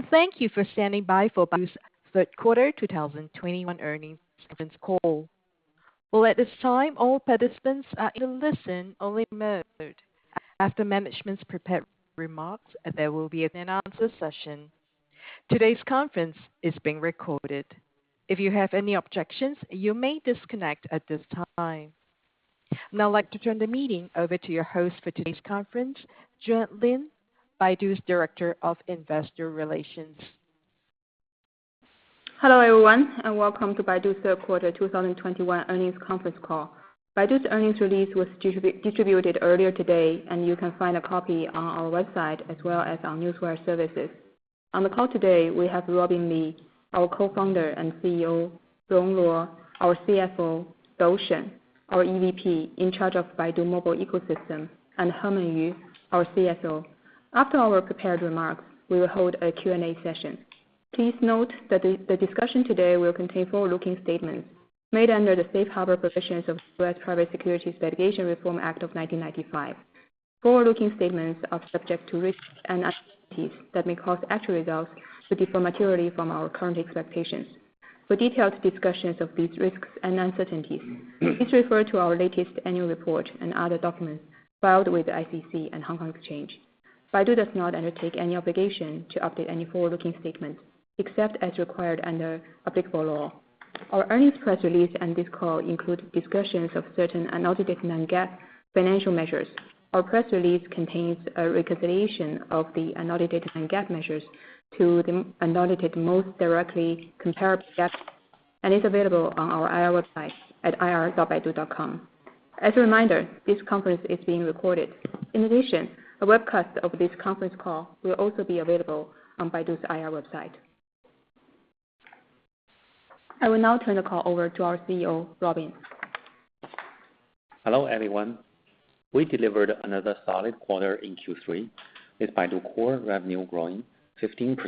Hello, and thank you for standing by for Baidu's third quarter 2021 earnings conference call. Well, at this time, all participants are in listen-only mode. After management's prepared remarks, there will be an answer session. Today's conference is being recorded. If you have any objections, you may disconnect at this time. Now I'd like to turn the meeting over to your host for today's conference, Juan Lin, Baidu's Director of Investor Relations. Hello, everyone, and welcome to Baidu's third quarter 2021 earnings conference call. Baidu's earnings release was distributed earlier today, and you can find a copy on our website as well as our newswire services. On the call today, we have Robin Li, our Co-founder and CEO, Rong Luo, our CFO, Dou Shen, our EVP in charge of Baidu Mobile Ecosystem, and Herman Yu, our CSO. After our prepared remarks, we will hold a Q&A session. Please note that the discussion today will contain forward-looking statements made under the Safe Harbor provisions of U.S. Private Securities Litigation Reform Act of 1995. Forward-looking statements are subject to risks and uncertainties that may cause actual results to differ materially from our current expectations. For detailed discussions of these risks and uncertainties, please refer to our latest annual report and other documents filed with the SEC and Hong Kong Stock Exchange. Baidu does not undertake any obligation to update any forward-looking statements except as required under applicable law. Our earnings press release and this call include discussions of certain unaudited non-GAAP financial measures. Our press release contains a reconciliation of the unaudited non-GAAP measures to the most directly comparable GAAP, and is available on our IR website at ir.baidu.com. As a reminder, this conference is being recorded. In addition, a webcast of this conference call will also be available on Baidu's IR website. I will now turn the call over to our CEO, Robin. Hello, everyone. We delivered another solid quarter in Q3, with Baidu Core revenue growing 15%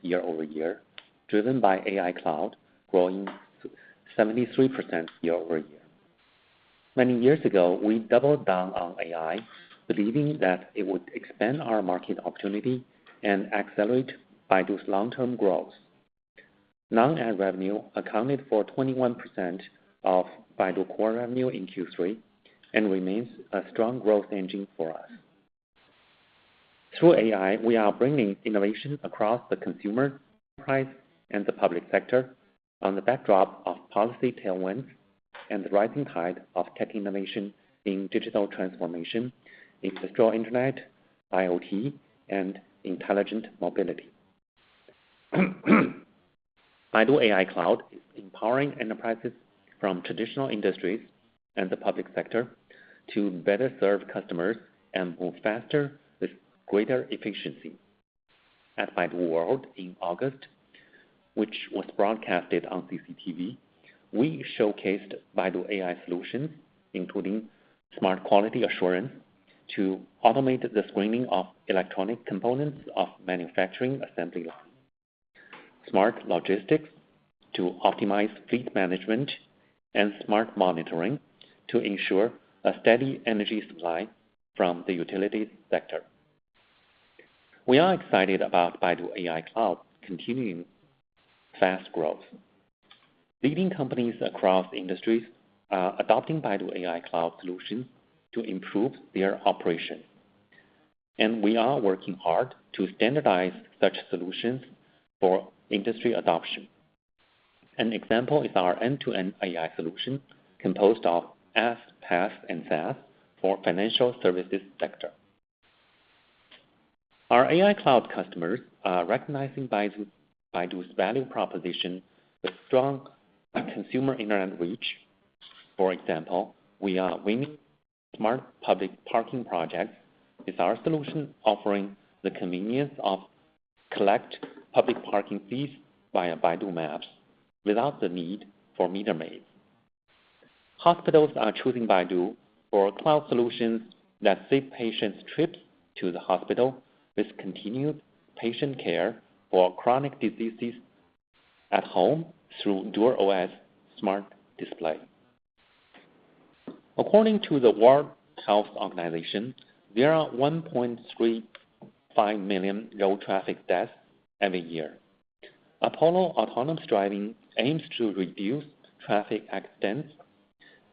year-over-year, driven by AI Cloud growing 73% year-over-year. Many years ago, we doubled down on AI, believing that it would expand our market opportunity and accelerate Baidu's long-term growth. Non-ad revenue accounted for 21% of Baidu Core revenue in Q3 and remains a strong growth engine for us. Through AI, we are bringing innovation across the consumer, enterprise, and the public sector against the backdrop of policy tailwinds and the rising tide of tech innovation in digital transformation, industrial Internet, IoT, and intelligent mobility. Baidu AI Cloud is empowering enterprises from traditional industries and the public sector to better serve customers and move faster with greater efficiency. At Baidu World in August, which was broadcast on CCTV, we showcased Baidu AI solutions, including smart quality assurance to automate the screening of electronic components of manufacturing assembly line, smart logistics to optimize fleet management, and smart monitoring to ensure a steady energy supply from the utilities sector. We are excited about Baidu AI Cloud continuing fast growth. Leading companies across industries are adopting Baidu AI Cloud solutions to improve their operation, and we are working hard to standardize such solutions for industry adoption. An example is our end-to-end AI solution composed of IaaS, PaaS, and SaaS for financial services sector. Our AI Cloud customers are recognizing Baidu's value proposition with strong consumer internet reach. For example, we are winning smart public parking projects with our solution offering the convenience of collecting public parking fees via Baidu Maps without the need for meter maids. Hospitals are choosing Baidu for cloud solutions that save patients trips to the hospital with continued patient care for chronic diseases at home through dual OS smart display. According to the World Health Organization, there are 1.35 million road traffic deaths every year. Apollo autonomous driving aims to reduce traffic accidents,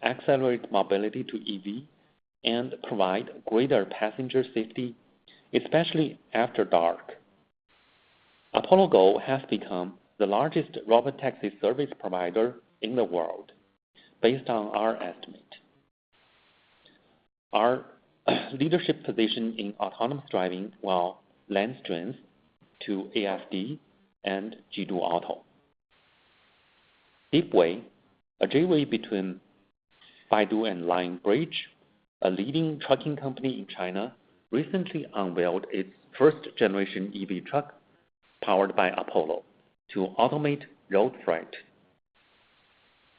accelerate mobility to EV, and provide greater passenger safety, especially after dark. Apollo Go has become the largest robot taxi service provider in the world based on our estimate. Our leadership position in autonomous driving will lend strength to ASD and Jidu Auto. DeepWay, a JV between Baidu and Lionbridge, a leading trucking company in China, recently unveiled its first generation EV truck powered by Apollo to automate road freight,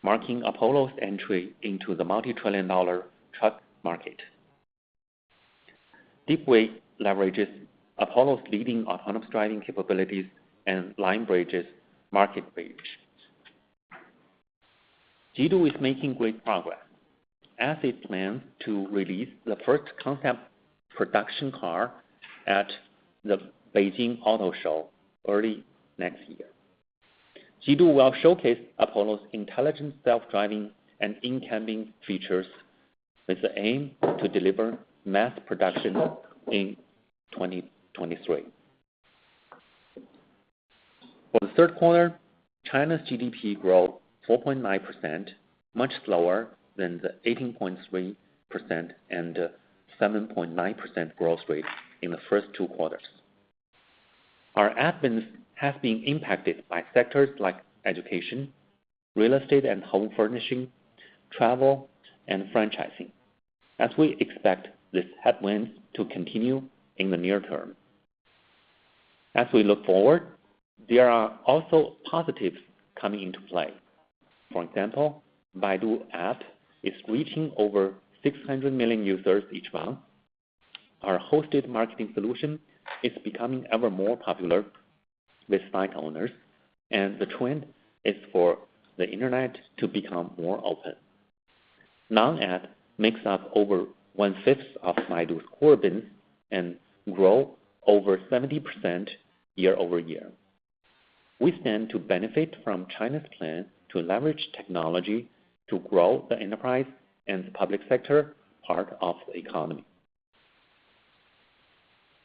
marking Apollo's entry into the multi-trillion-dollar truck market. DeepWay leverages Apollo's leading autonomous driving capabilities and Lionbridge's market reach. Jidu is making great progress as it plans to release the first concept production car at the Beijing Auto Show early next year. Jidu will showcase Apollo's intelligent self-driving and in-cabin features with the aim to deliver mass production in 2023. For the third quarter, China's GDP growth 4.9%, much slower than the 18.3% and 7.9% growth rates in the first two quarters. Our ad business has been impacted by sectors like education, real estate and home furnishing, travel, and franchising, as we expect this headwind to continue in the near term. As we look forward, there are also positives coming into play. For example, Baidu App is reaching over 600 million users each month. Our hosted marketing solution is becoming ever more popular with site owners, and the trend is for the Internet to become more open. Our ad makes up over 1/5 of Baidu Core and grow over 70% year-over-year. We stand to benefit from China's plan to leverage technology to grow the enterprise and public sector part of the economy.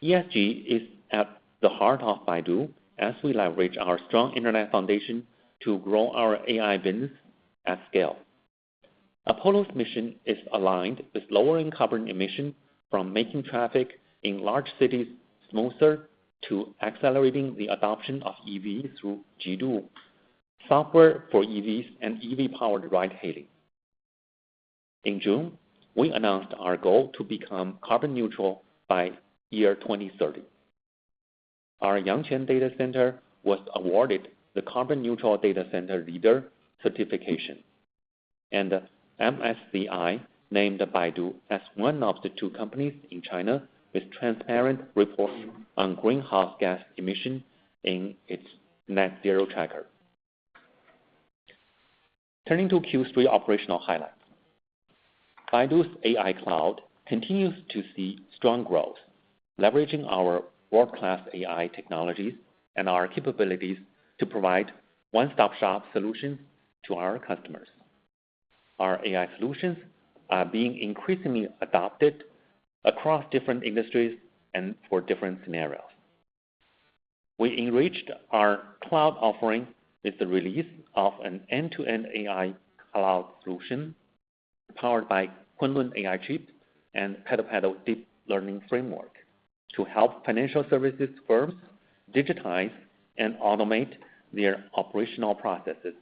ESG is at the heart of Baidu as we leverage our strong internet foundation to grow our AI business at scale. Apollo's mission is aligned with lowering carbon emissions from making traffic in large cities smoother to accelerating the adoption of EVs through Jidu, software for EVs, and EV-powered ride hailing. In June, we announced our goal to become carbon neutral by 2030. Our Yangquan Data Center was awarded the Carbon Neutral Data Center Leader Certification, and MSCI named Baidu as one of the two companies in China with transparent reports on greenhouse gas emissions in its net zero tracker. Turning to Q3 operational highlights. Baidu's AI Cloud continues to see strong growth, leveraging our world-class AI technologies and our capabilities to provide one-stop-shop solutions to our customers. Our AI solutions are being increasingly adopted across different industries and for different scenarios. We enriched our cloud offering with the release of an end-to-end AI cloud solution powered by Kunlun AI chip and PaddlePaddle deep learning framework to help financial services firms digitize and automate their operational processes,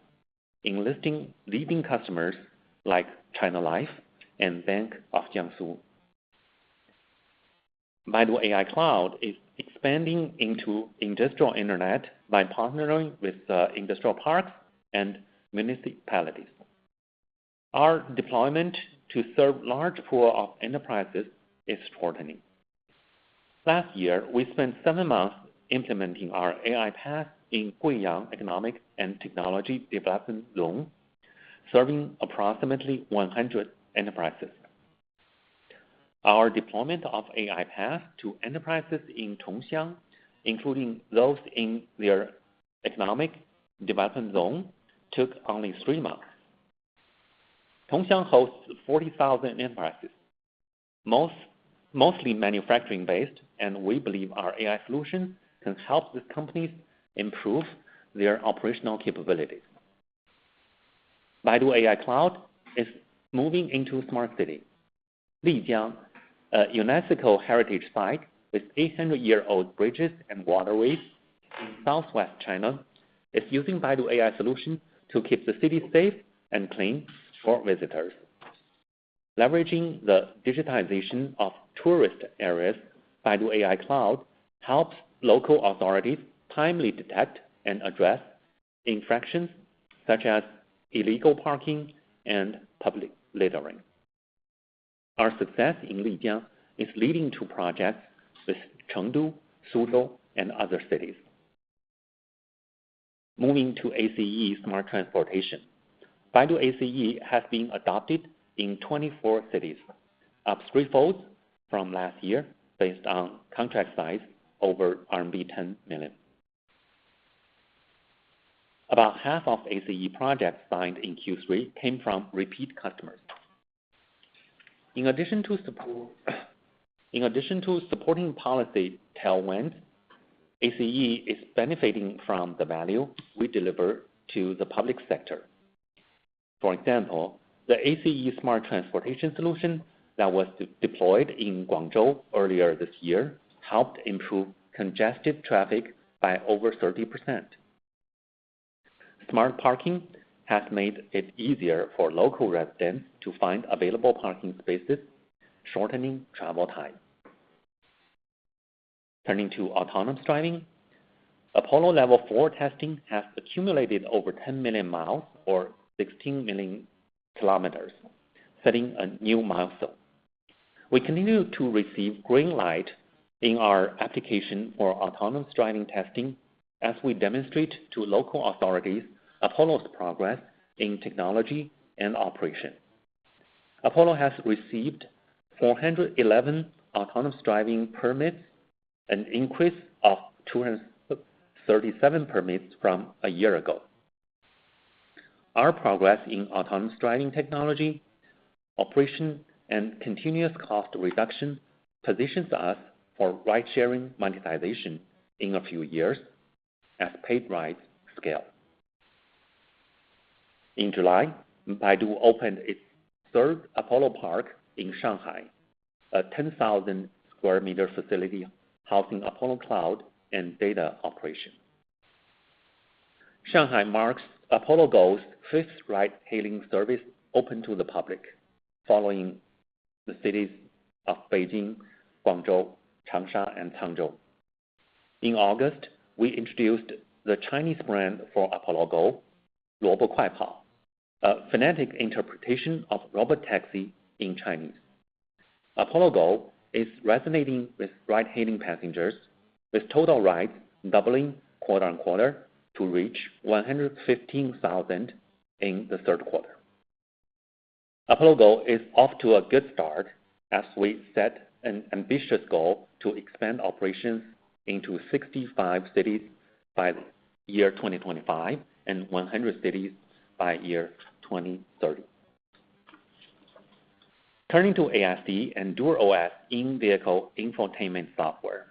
enlisting leading customers like China Life and Bank of Jiangsu. Baidu AI Cloud is expanding into industrial Internet by partnering with industrial parks and municipalities. Our deployment to serve large pool of enterprises is broadening. Last year, we spent 7 months implementing our AI path in Guiyang Economic and Technology Development Zone, serving approximately 100 enterprises. Our deployment of AI path to enterprises in Tongxiang, including those in their economic development zone, took only 3 months. Tongxiang hosts 40,000 enterprises, mostly manufacturing-based, and we believe our AI solution can help these companies improve their operational capabilities. Baidu AI Cloud is moving into smart cities. Lijiang, a UNESCO heritage site with 800-year-old bridges and waterways in Southwest China, is using Baidu AI solution to keep the city safe and clean for visitors. Leveraging the digitization of tourist areas, Baidu AI Cloud helps local authorities timely detect and address infractions such as illegal parking and public littering. Our success in Lijiang is leading to projects with Chengdu, Suzhou, and other cities. Moving to ACE smart transportation. Baidu ACE has been adopted in 24 cities, up threefold from last year based on contract size over RMB 10 million. About half of ACE projects signed in Q3 came from repeat customers. In addition to supporting policy tailwind, ACE is benefiting from the value we deliver to the public sector. For example, the ACE smart transportation solution that was deployed in Guangzhou earlier this year helped improve congested traffic by over 30%. Smart parking has made it easier for local residents to find available parking spaces, shortening travel time. Turning to autonomous driving, Apollo level four testing has accumulated over 10 million miles or 16 million kilometers, setting a new milestone. We continue to receive green light in our application for autonomous driving testing as we demonstrate to local authorities Apollo's progress in technology and operation. Apollo has received 411 autonomous driving permits, an increase of 237 permits from a year ago. Our progress in autonomous driving technology, operation, and continuous cost reduction positions us for ridesharing monetization in a few years as paid rides scale. In July, Baidu opened its third Apollo Park in Shanghai, a 10,000 sq m facility housing Apollo cloud and data operation. Shanghai marks Apollo Go's fifth ride-hailing service open to the public following the cities of Beijing, Guangzhou, Changsha, and Hangzhou. In August, we introduced the Chinese brand for Apollo Go, Luobo Kuaipao, a phonetic interpretation of robot taxi in Chinese. Apollo Go is resonating with ride-hailing passengers, with total rides doubling quarter-over-quarter to reach 115,000 in the third quarter. Apollo Go is off to a good start as we set an ambitious goal to expand operations into 65 cities by the year 2025 and 100 cities by year 2030. Turning to ASD and DuerOS in-vehicle infotainment software.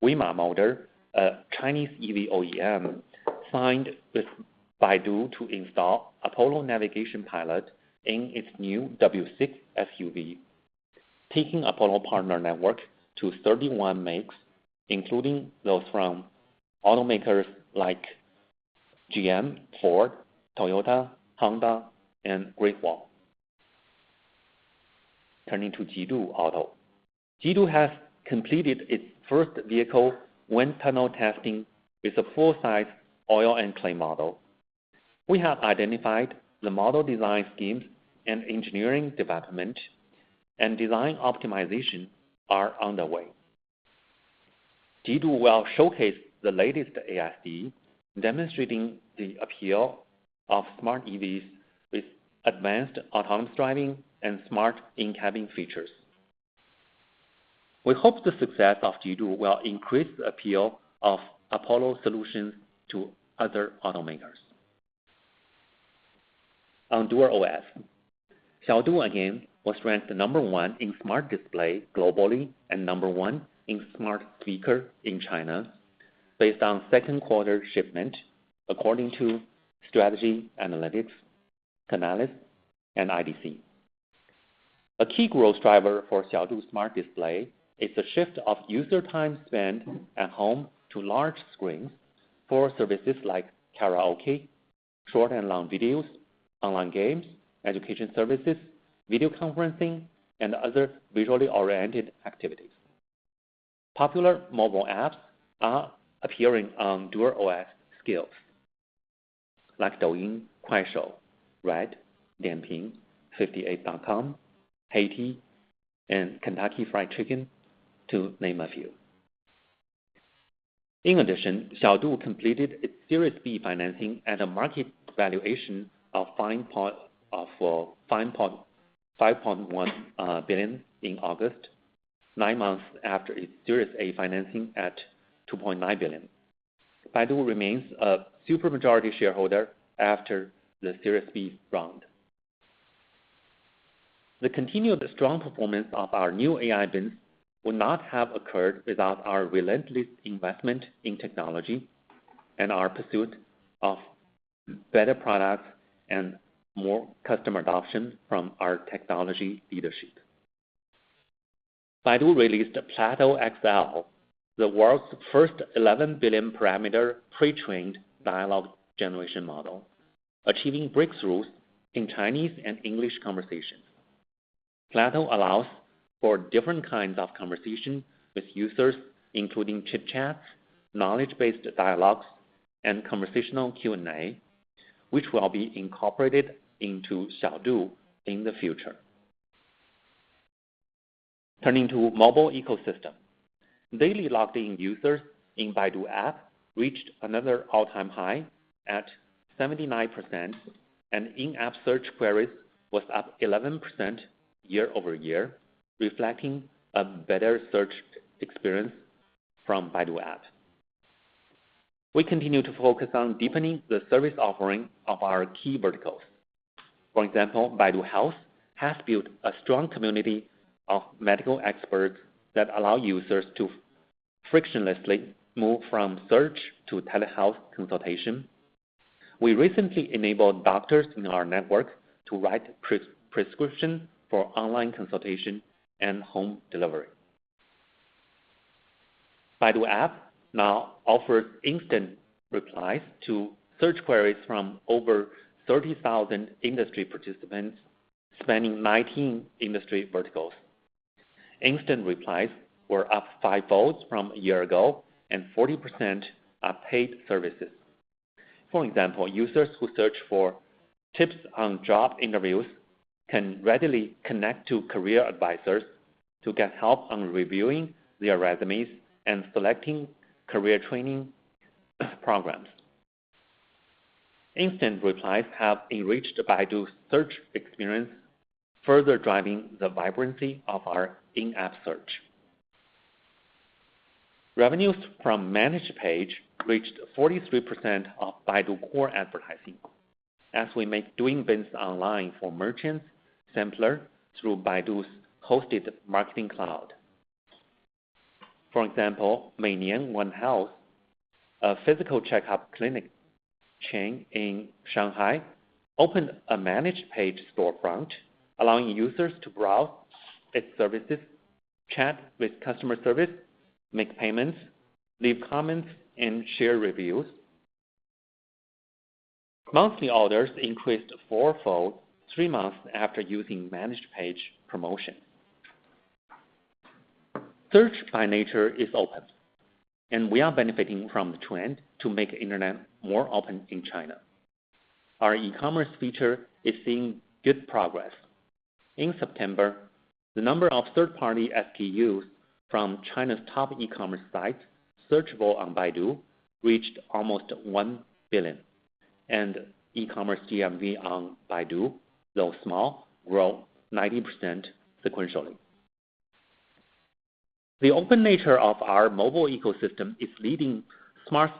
WM Motor, a Chinese EV OEM, signed with Baidu to install Apollo Navigation Pilot in its new W6 SUV, taking Apollo partner network to 31 makes, including those from automakers like GM, Ford, Toyota, Honda, and Great Wall Motor. Turning to Jidu Auto. Jidu has completed its first vehicle wind tunnel testing with a full-size oil and clay model. We have identified the model design schemes and engineering development, and design optimization are underway. Jidu will showcase the latest ASD, demonstrating the appeal of smart EVs with advanced autonomous driving and smart in-cabin features. We hope the success of Jidu will increase the appeal of Apollo solutions to other automakers. On DuerOS, Xiaodu again was ranked number one in smart display globally and number one in smart speaker in China based on second quarter shipment, according to Strategy Analytics, Canalys, and IDC. A key growth driver for Xiaodu's smart display is the shift of user time spent at home to large screens for services like karaoke, short and long videos, online games, education services, video conferencing, and other visually-oriented activities. Popular mobile apps are appearing on DuerOS skills, like Douyin, Kuaishou, Xiaohongshu, Dianping, 58.com, Haidilao, and Kentucky Fried Chicken, to name a few. In addition, Xiaodu completed its Series B financing at a market valuation of 5.1 billion in August, nine months after its Series A financing at 2.9 billion. Baidu remains a super majority shareholder after the Series B round. The continued strong performance of our new AI business would not have occurred without our relentless investment in technology and our pursuit of better products and more customer adoption from our technology leadership. Baidu released PLATO-XL, the world's first 11 billion-parameter pre-trained dialogue generation model, achieving breakthroughs in Chinese and English conversations. PLATO-XL allows for different kinds of conversation with users, including chit-chat, knowledge-based dialogues, and conversational Q&A, which will be incorporated into Xiaodu in the future. Turning to mobile ecosystem. Daily logged-in users in Baidu App reached another all-time high at 79%, and in-app search queries was up 11% year-over-year, reflecting a better search experience from Baidu App. We continue to focus on deepening the service offering of our key verticals. For example, Baidu Health has built a strong community of medical experts that allow users to frictionlessly move from search to telehealth consultation. We recently enabled doctors in our network to write prescription for online consultation and home delivery. Baidu App now offers instant replies to search queries from over 30,000 industry participants spanning 19 industry verticals. Instant replies were up fivefold from a year ago, and 40% are paid services. For example, users who search for tips on job interviews can readily connect to career advisors to get help on reviewing their resumes and selecting career training programs. Instant replies have enriched Baidu's search experience, further driving the vibrancy of our in-app search. Revenues from Managed Page reached 43% of Baidu Core advertising, as we make doing business online for merchants simpler through Baidu's hosted marketing cloud. For example, Meinian Onehealth, a physical checkup clinic chain in Shanghai, opened a Managed Page storefront, allowing users to browse its services, chat with customer service, make payments, leave comments, and share reviews. Monthly orders increased four-fold three months after using Managed Page promotion. Search by nature is open, and we are benefiting from the trend to make internet more open in China. Our e-commerce feature is seeing good progress. In September, the number of third-party SKUs from China's top e-commerce sites searchable on Baidu reached almost 1 billion, and e-commerce GMV on Baidu, though small, grew 90% sequentially. The open nature of our mobile ecosystem is leading smartphone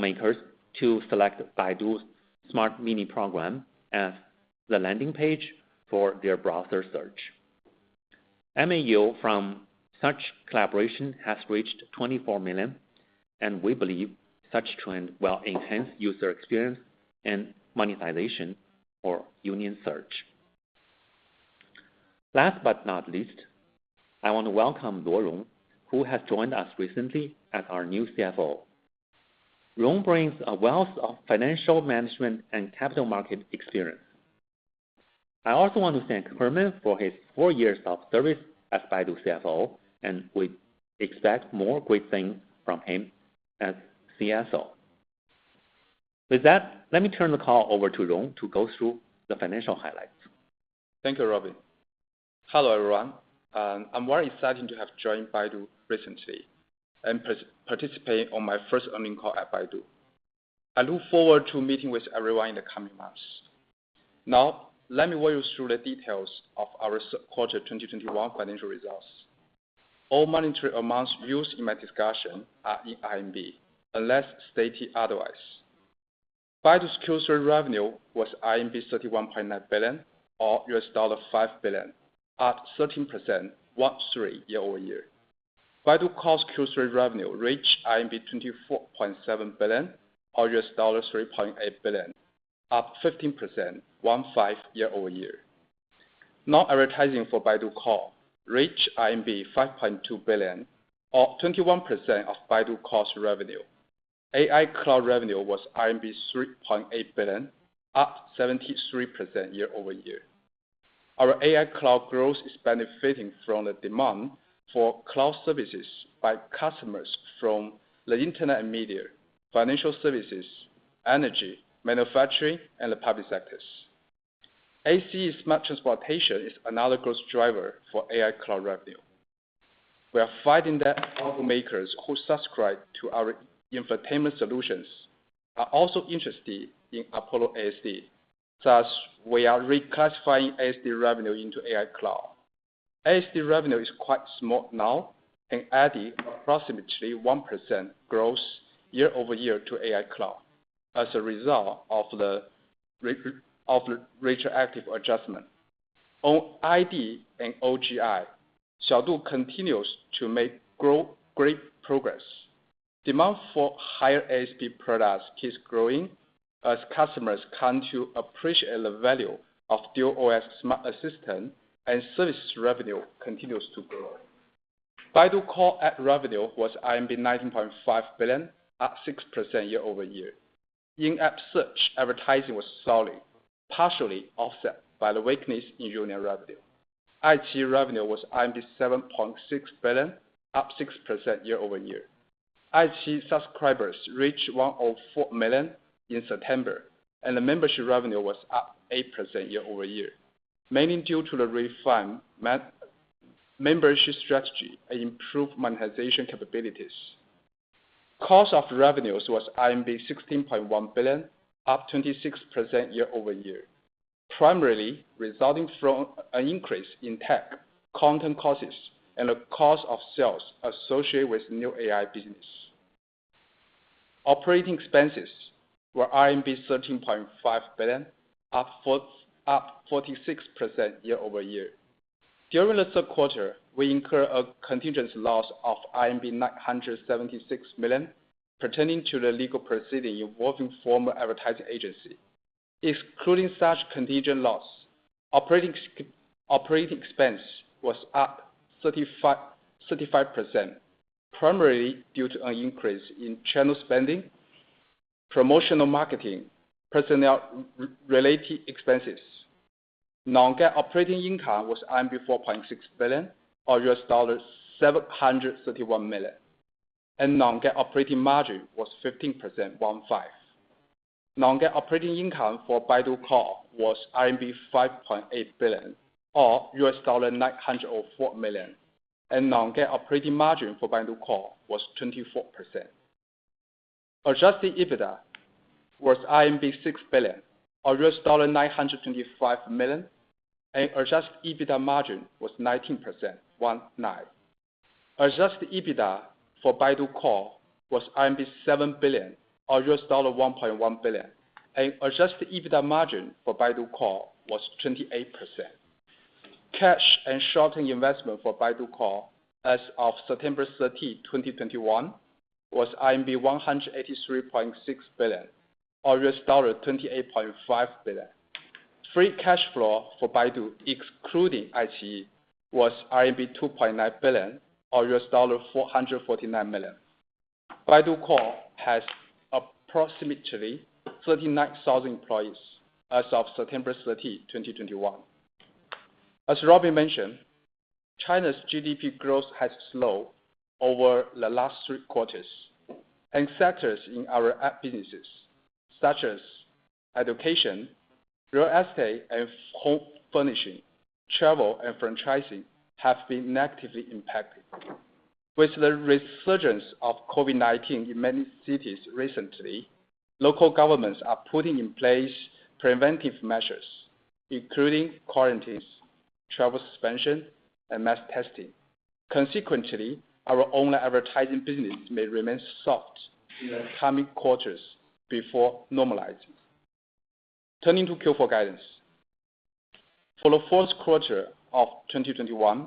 makers to select Baidu's smart mini program as the landing page for their browser search. MAU from such collaboration has reached 24 million, and we believe such trend will enhance user experience and monetization for union search. Last but not least, I want to welcome Rong Luo, who has joined us recently as our new CFO. Rong brings a wealth of financial management and capital market experience. I also want to thank Herman for his 4 years of service as Baidu CFO, and we expect more great things from him as CSO. With that, let me turn the call over to Rong to go through the financial highlights. Thank you, Robin. Hello, everyone. I'm very excited to have joined Baidu recently and participating on my first earnings call at Baidu. I look forward to meeting with everyone in the coming months. Now, let me walk you through the details of our Q3 2021 financial results. All monetary amounts used in my discussion are in RMB, unless stated otherwise. Baidu's Q3 revenue was RMB 31.9 billion, or $5 billion, up 13% year-over-year. Baidu Core's Q3 revenue reached 24.7 billion or $3.8 billion, up 15% year-over-year. Non-advertising for Baidu Core reached 5.2 billion, or 21% of Baidu Core's revenue. AI Cloud revenue was 3.8 billion, up 73% year-over-year. Our AI Cloud growth is benefiting from the demand for cloud services by customers from the internet and media, financial services, energy, manufacturing, and the public sectors. ACE smart transportation is another growth driver for AI Cloud revenue. We are finding that automakers who subscribe to our infotainment solutions are also interested in Apollo ASD. Thus, we are reclassifying ASD revenue into AI Cloud. ASD revenue is quite small now and adding approximately 1% growth year-over-year to AI Cloud as a result of the retroactive adjustment. On ID and OGI, Xiaodu continues to make great progress. Demand for higher ASD products keeps growing as customers come to appreciate the value of DuerOS smart assistant and services revenue continues to grow. Baidu Core ad revenue was 19.5 billion, up 6% year-over-year. In-app search advertising was solid, partially offset by the weakness in union revenue. IG revenue was 7.6 billion, up 6% year-over-year. IG subscribers reached 104 million in September, and the membership revenue was up 8% year-over-year, mainly due to the refined membership strategy and improved monetization capabilities. Cost of revenues was 16.1 billion, up 26% year-over-year, primarily resulting from an increase in tech, content costs, and the cost of sales associated with new AI business. Operating expenses were RMB 13.5 billion, up 46% year-over-year. During the third quarter, we incurred a contingent loss of 976 million pertaining to the legal proceeding involving former advertising agency. Excluding such contingent loss, operating expense was up 35%, primarily due to an increase in channel spending, promotional marketing, personnel related expenses. Non-GAAP operating income was 4.6 billion or $731 million. Non-GAAP operating margin was 15%. Non-GAAP operating income for Baidu Core was 5.8 billion or $904 million. Non-GAAP operating margin for Baidu Core was 24%. Adjusted EBITDA was 6 billion or $925 million. Adjusted EBITDA margin was 19%. Adjusted EBITDA for Baidu Core was 7 billion or $1.1 billion. Adjusted EBITDA margin for Baidu Core was 28%. Cash and short-term investment for Baidu Core as of September 13, 2021 was 183.6 billion or $28.5 billion. Free cash flow for Baidu excluding iQIYI was RMB 2.9 billion or $449 million. Baidu Core has approximately 39,000 employees as of September 13, 2021. As Robin mentioned, China's GDP growth has slowed over the last three quarters. Sectors in our app businesses, such as education, real estate and home furnishing, travel, and franchising, have been negatively impacted. With the resurgence of COVID-19 in many cities recently, local governments are putting in place preventive measures, including quarantines, travel suspension, and mass testing. Consequently, our own advertising business may remain soft in the coming quarters before normalizing. Turning to Q4 guidance. For the fourth quarter of 2021,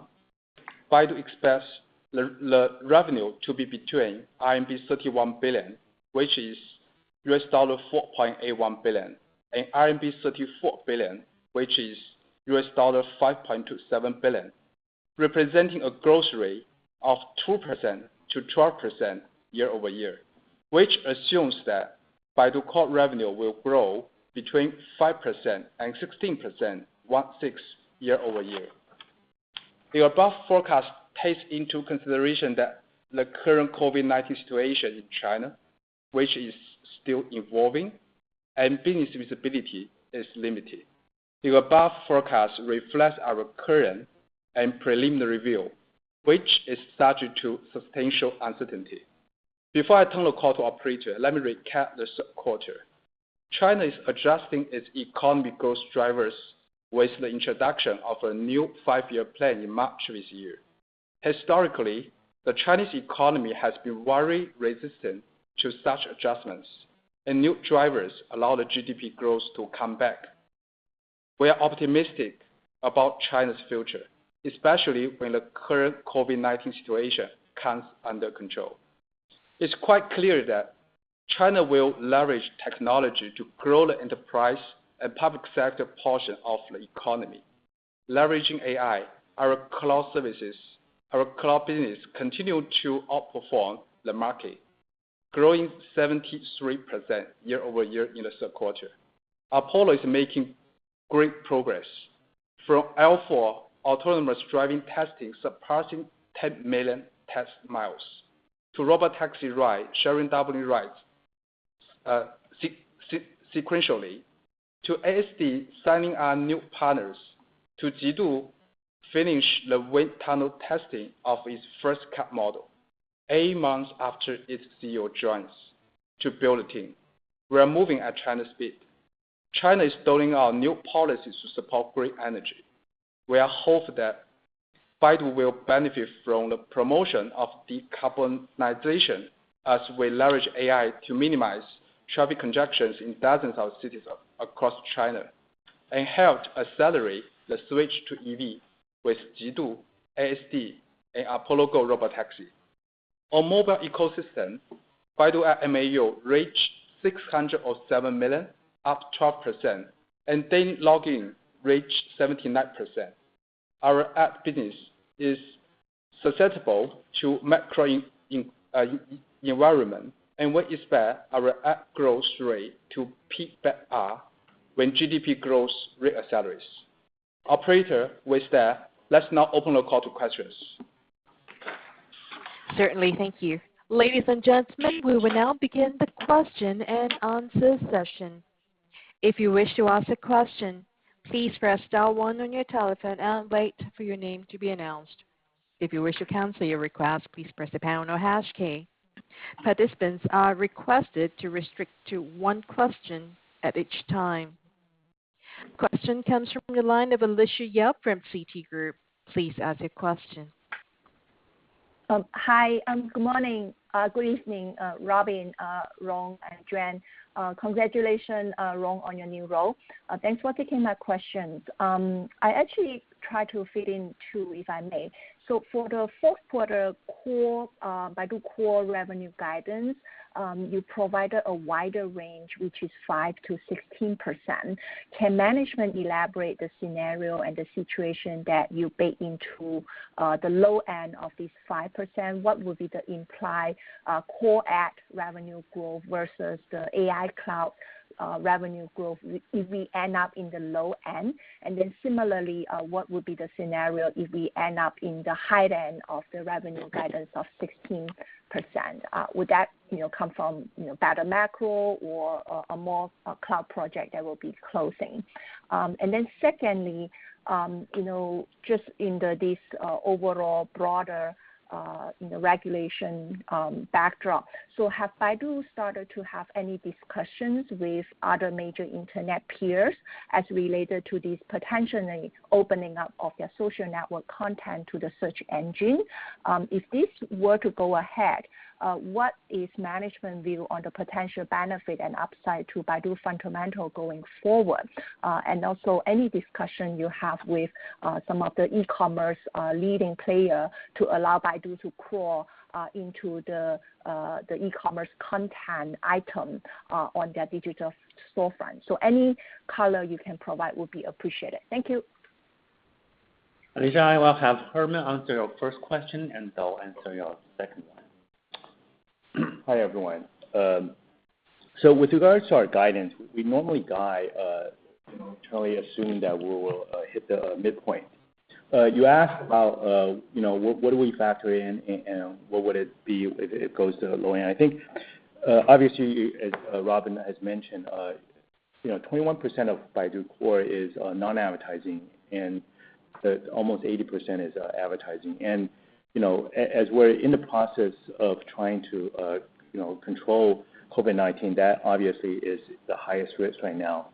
Baidu expects the revenue to be between RMB 31 billion, which is $4.81 billion, and RMB 34 billion, which is $5.27 billion, representing a growth rate of 2%-12% year-over-year. Which assumes that Baidu Core revenue will grow between 5% and 16% year-over-year. The above forecast takes into consideration that the current COVID-19 situation in China, which is still evolving and business visibility is limited. The above forecast reflects our current and preliminary view, which is subject to substantial uncertainty. Before I turn the call to operator, let me recap this quarter. China is adjusting its economic growth drivers with the introduction of a new five-year plan in March of this year. Historically, the Chinese economy has been very resistant to such adjustments, and new drivers allow the GDP growth to come back. We are optimistic about China's future, especially when the current COVID-19 situation comes under control. It's quite clear that China will leverage technology to grow the enterprise and public sector portion of the economy. Leveraging AI, our cloud services, our cloud business continued to outperform the market, growing 73% year-over-year in the third quarter. Apollo is making great progress. From L4 autonomous driving testing surpassing 10 million test miles to robotaxi ride, sharing W rides sequentially, to ASD signing on new partners, to Jidu finishing the wind tunnel testing of its first car model 8 months after its CEO joins to build a team. We are moving at China's speed. China is rolling out new policies to support green energy. We hope that Baidu will benefit from the promotion of decarbonization as we leverage AI to minimize traffic congestions in thousands of cities across China, and help accelerate the switch to EV with Jidu, ASD and Apollo Go robotaxi. On mobile ecosystem, Baidu MAU reached 607 million, up 12%, and daily login reached 79%. Our app business is susceptible to macro environment, and we expect our app growth rate to peak back up when GDP growth rate accelerates. Operator, with that, let's now open the call to questions. Certainly. Thank you. Ladies and gentlemen, we will now begin the question and answer session. If you wish to ask a question, please press star one on your telephone and wait for your name to be announced. If you wish to cancel your request, please press the pound or hash key. Participants are requested to restrict to one question at each time. Question comes from the line of Alicia Yap from Citigroup. Please ask your question. Hi, good morning, good evening, Robin, Rong, and Juan. Congratulations, Rong, on your new role. Thanks for taking my questions. I actually try to fit in two, if I may. For the fourth quarter Core Baidu Core revenue guidance, you provided a wider range, which is 5%-16%. Can management elaborate the scenario and the situation that you bake into the low end of this 5%? What would be the implied Core App revenue growth versus the AI Cloud revenue growth if we end up in the low end? And then similarly, what would be the scenario if we end up in the high end of the revenue guidance of 16%? Would that, you know, come from, you know, better macro or a more cloud project that will be closing? Secondly, you know, just in this overall broader, you know, regulation backdrop. Have Baidu started to have any discussions with other major internet peers as related to this potentially opening up of their social network content to the search engine? If this were to go ahead, what is management view on the potential benefit and upside to Baidu fundamental going forward? Also any discussion you have with some of the e-commerce leading player to allow Baidu to crawl into the e-commerce content item on their digital storefront. Any color you can provide would be appreciated. Thank you. Alicia, I will have Herman answer your first question, and I'll answer your second one. Hi, everyone. So with regards to our guidance, we normally guide, you know, totally assuming that we will hit the midpoint. You asked about, you know, what do we factor in, and what would it be if it goes to the low end. I think, obviously, as Robin has mentioned, you know, 21% of Baidu Core is non-advertising and almost 80% is advertising. You know, as we're in the process of trying to, you know, control COVID-19, that obviously is the highest risk right now.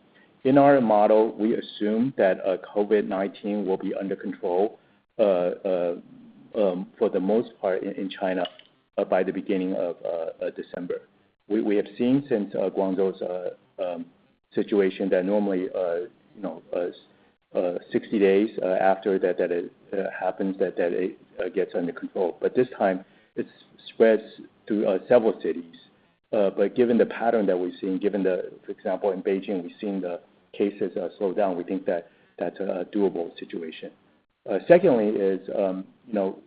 In our model, we assume that COVID-19 will be under control for the most part in China by the beginning of December. We have seen since Guangzhou's situation that normally, you know, 60 days after that, it happens that it gets under control. This time, it spreads to several cities. Given the pattern that we've seen, for example, in Beijing, we've seen the cases slow down, we think that that's a doable situation. Secondly, you know,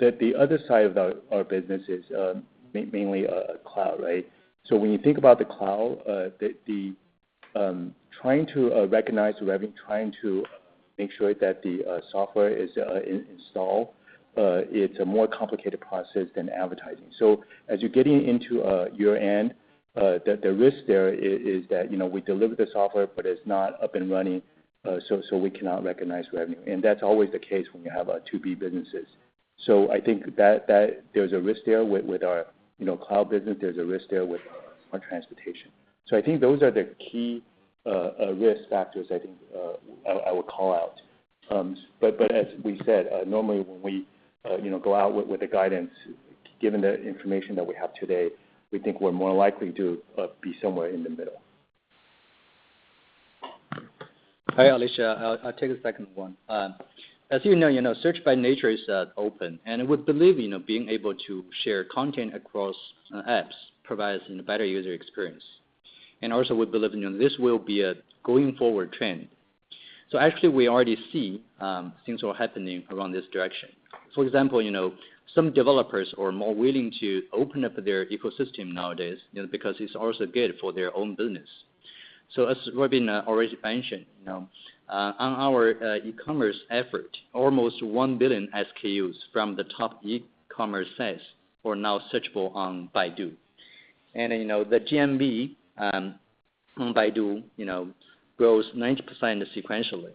the other side of our business is mainly cloud, right? So when you think about the cloud, trying to recognize revenue, trying to make sure that the software is installed, it's a more complicated process than advertising. As you're getting into your end, the risk there is that, you know, we deliver the software, but it's not up and running, so we cannot recognize revenue. That's always the case when you have 2B businesses. I think that there's a risk there with our, you know, cloud business, there's a risk there with our transportation. I think those are the key risk factors I would call out. But as we said, normally when we, you know, go out with a guidance, given the information that we have today, we think we're more likely to be somewhere in the middle. Hi, Alicia. I'll take the second one. As you know, search by nature is open, and we believe, you know, being able to share content across apps provides a better user experience. Also we believe, you know, this will be a going forward trend. Actually we already see things are happening around this direction. For example, you know, some developers are more willing to open up their ecosystem nowadays, you know, because it's also good for their own business. As Robin already mentioned, you know, on our e-commerce effort, almost 1 billion SKUs from the top e-commerce sites are now searchable on Baidu. You know, the GMV on Baidu grows 90% sequentially.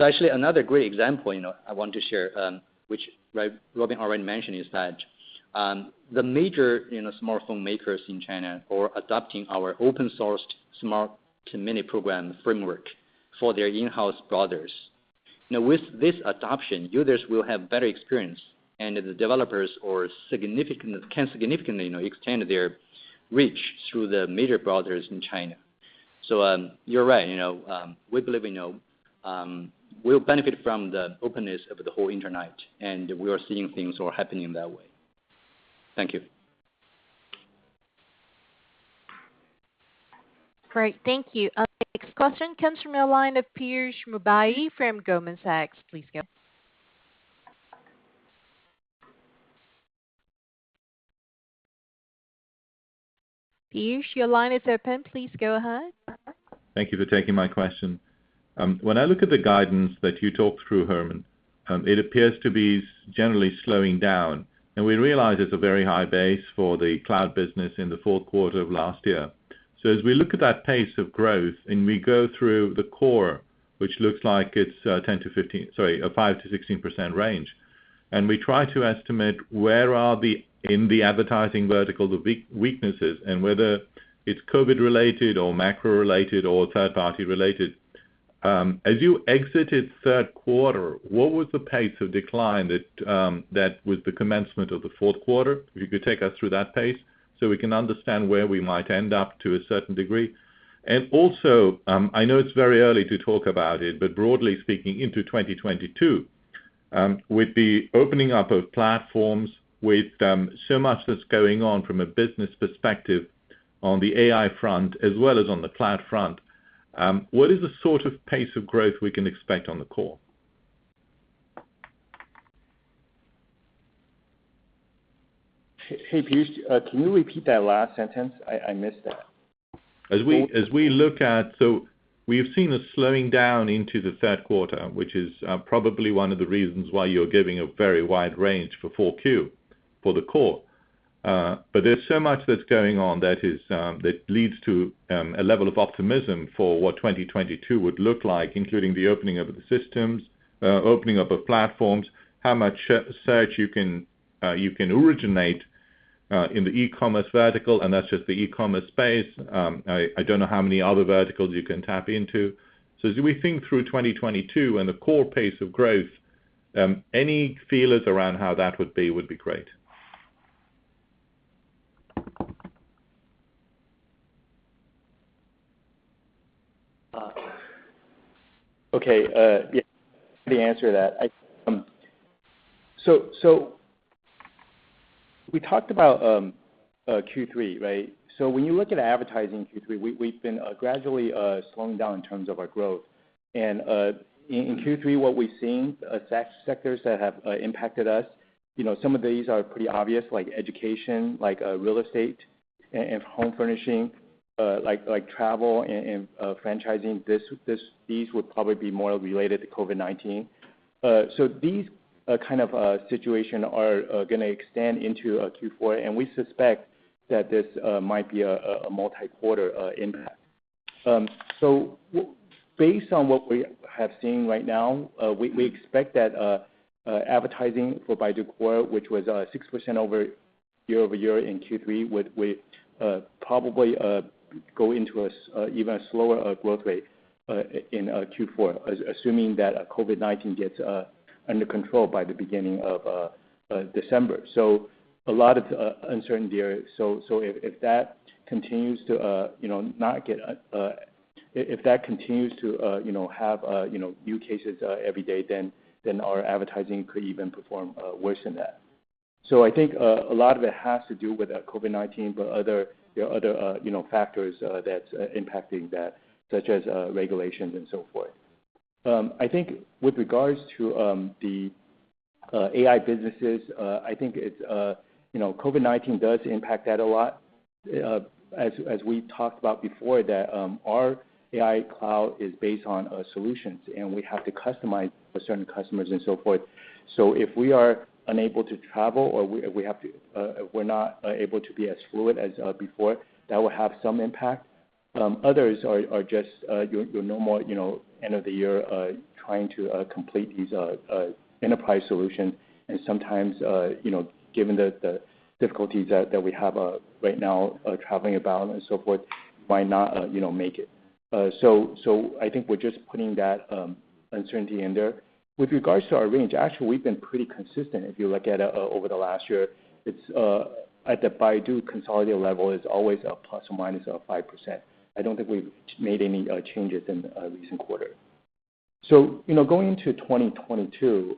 Actually another great example, you know, I want to share, which Robin already mentioned, is that the major, you know, smartphone makers in China are adopting our open-sourced smart mini program framework for their in-house browsers. Now, with this adoption, users will have better experience, and the developers can significantly, you know, extend their reach through the major browsers in China. You're right, you know, we believe, you know, we'll benefit from the openness of the whole internet, and we are seeing things are happening that way. Thank you. Great. Thank you. Our next question comes from a line of Piyush Mubayi from Goldman Sachs. Please go ahead. Piyush, your line is open. Please go ahead. Thank you for taking my question. When I look at the guidance that you talked through, Herman, it appears to be generally slowing down, and we realize it's a very high base for the cloud business in the fourth quarter of last year. As we look at that pace of growth, and we go through the core, which looks like it's a 5%-16% range, and we try to estimate where are the, in the advertising vertical, the weaknesses and whether it's COVID-related or macro-related or third-party related. As you exited third quarter, what was the pace of decline that with the commencement of the fourth quarter? If you could take us through that pace so we can understand where we might end up to a certain degree. Also, I know it's very early to talk about it, but broadly speaking into 2022, with the opening up of platforms, with so much that's going on from a business perspective on the AI front as well as on the cloud front, what is the sort of pace of growth we can expect on the Core? Hey, Piyush Mubayi, can you repeat that last sentence? I missed that. As we look at. We've seen a slowing down into the third quarter, which is probably one of the reasons why you're giving a very wide range for Q4 for the core. There's so much that's going on that leads to a level of optimism for what 2022 would look like, including the opening of the systems, opening up of platforms, how much search you can originate in the e-commerce vertical, and that's just the e-commerce space. I don't know how many other verticals you can tap into. As we think through 2022 and the core pace of growth, any feelers around how that would be would be great. Okay. Yeah, the answer to that. So we talked about Q3, right? So when you look at advertising in Q3, we've been gradually slowing down in terms of our growth. In Q3, what we've seen, sectors that have impacted us, you know, some of these are pretty obvious, like education, like real estate and home furnishing, like travel and franchising. These would probably be more related to COVID-19. So these kind of situation are gonna extend into Q4, and we suspect that this might be a multi-quarter impact. Based on what we have seen right now, we expect that advertising for Baidu Core, which was 6% year-over-year in Q3, will probably go into an even slower growth rate in Q4, assuming that COVID-19 gets under control by the beginning of December. A lot of uncertainty. If that continues to, you know, have new cases every day, then our advertising could even perform worse than that. I think a lot of it has to do with COVID-19, but other you know factors that's impacting that, such as regulations and so forth. I think with regards to the AI businesses, I think it's, you know, COVID-19 does impact that a lot. As we talked about before, that our AI cloud is based on solutions, and we have to customize for certain customers and so forth. If we are unable to travel or we have to, we're not able to be as fluid as before, that will have some impact. Others are just, you know, more, you know, end of the year, trying to complete these enterprise solutions. Sometimes, you know, given the difficulties that we have right now, traveling about and so forth, might not, you know, make it. I think we're just putting that uncertainty in there. With regards to our range, actually, we've been pretty consistent if you look at over the last year. It's at the Baidu consolidated level, it's always ±5%. I don't think we've made any changes in the recent quarter. You know, going into 2022,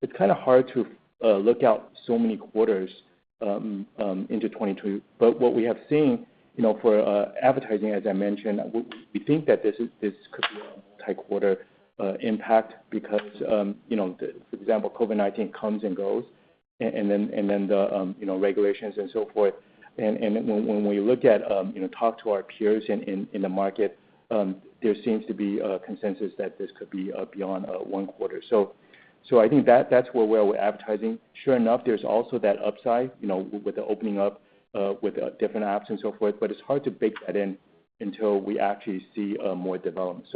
it's kinda hard to look out so many quarters into 2022. But what we have seen, you know, for advertising, as I mentioned, we think that this is, this could be a multi-quarter impact because, you know, the, for example, COVID-19 comes and goes and then the regulations and so forth. When we, you know, talk to our peers in the market, there seems to be a consensus that this could be beyond one quarter. I think that's where we are with advertising. Sure enough, there's also that upside, you know, with the opening up, with different apps and so forth, but it's hard to bake that in until we actually see more development.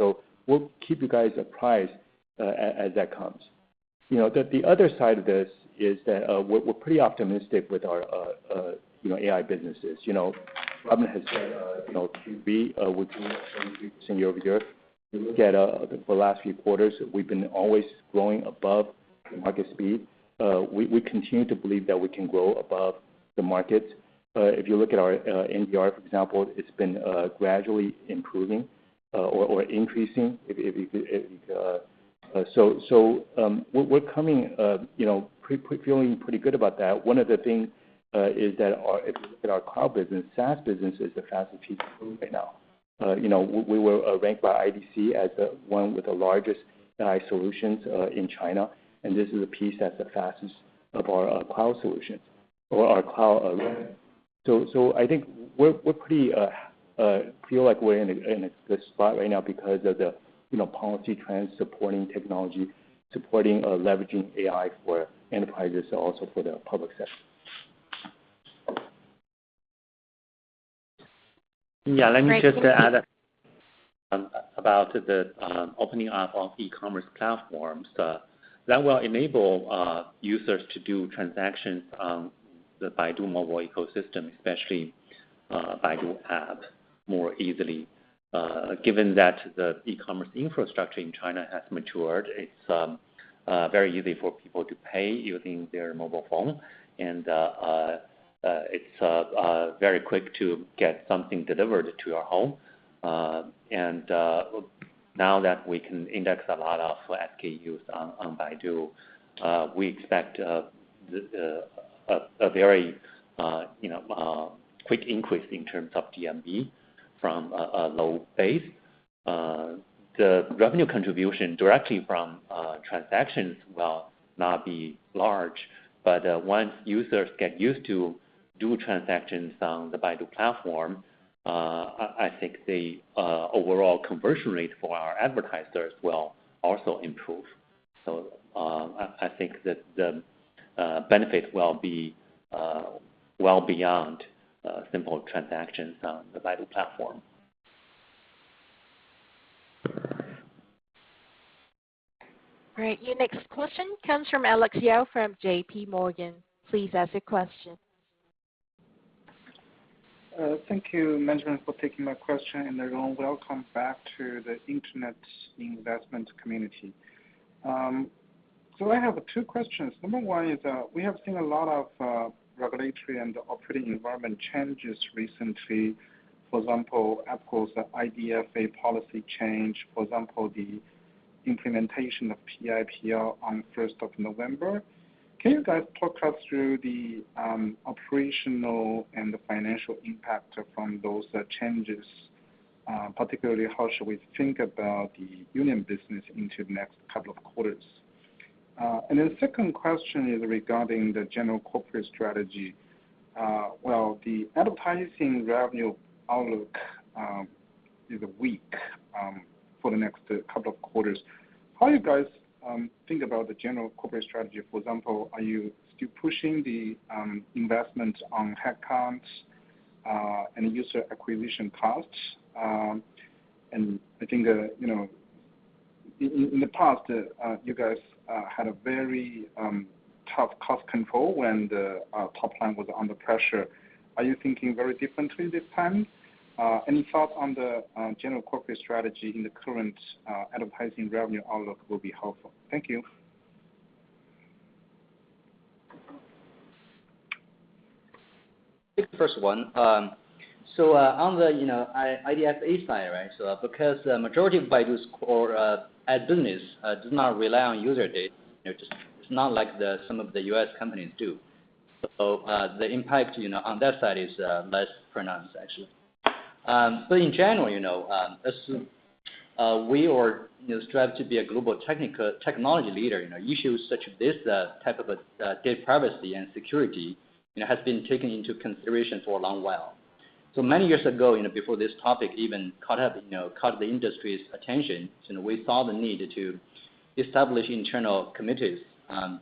We'll keep you guys apprised as that comes. You know, the other side of this is that we're pretty optimistic with our, you know, AI businesses. You know, Robin has said, you know, Q3 would be 7% year-over-year. If you look at, for the last few quarters, we've been always growing above the market speed. We continue to believe that we can grow above the markets. If you look at our NRR, for example, it's been gradually improving or increasing. We're coming, you know, feeling pretty good about that. One of the things is that our... If you look at our cloud business, SaaS business is the fastest piece growing right now. You know, we were ranked by IDC as number one with the largest AI solutions in China, and this is the piece that's the fastest of our cloud solutions or our cloud. I think we feel like we're in a good spot right now because of the, you know, policy trends supporting technology or leveraging AI for enterprises and also for the public sector. Yeah, let me just add about the opening up of e-commerce platforms that will enable users to do transactions. The Baidu mobile ecosystem, especially Baidu App, more easily. Given that the e-commerce infrastructure in China has matured, it's very easy for people to pay using their mobile phone. It's very quick to get something delivered to your home. Now that we can index a lot of local use on Baidu, we expect a very, you know, quick increase in terms of GMV from a low base. The revenue contribution directly from transactions will not be large. Once users get used to do transactions on the Baidu platform, I think the overall conversion rate for our advertisers will also improve. I think that the benefit will be well beyond simple transactions on the Baidu platform. All right. Your next question comes from Alex Yao from JPMorgan. Please ask your question. Thank you, management for taking my question, and a warm welcome back to the Internet investment community. I have two questions. Number 1 is, we have seen a lot of regulatory and operating environment changes recently. For example, Apple's IDFA policy change, for example, the implementation of PIPL on first of November. Can you guys talk us through the operational and the financial impact from those changes, particularly how should we think about the online business into the next couple of quarters? Second question is regarding the general corporate strategy. Well, the advertising revenue outlook is weak for the next couple of quarters. How do you guys think about the general corporate strategy, for example, are you still pushing the investments on headcounts and user acquisition costs? I think, you know, in the past, you guys had a very tough cost control when the top line was under pressure. Are you thinking very differently this time? Any thoughts on general corporate strategy in the current advertising revenue outlook will be helpful. Thank you. Take the first one. On the IDFA side, right? Because the majority of Baidu's core ad business does not rely on user data, you know, just it's not like some of the U.S. companies do. The impact on that side is less pronounced actually. But in general, as we are strive to be a global technology leader, issues such as this type of data privacy and security has been taken into consideration for a long while. Many years ago, before this topic even caught up, caught the industry's attention, you know, we saw the need to establish internal committees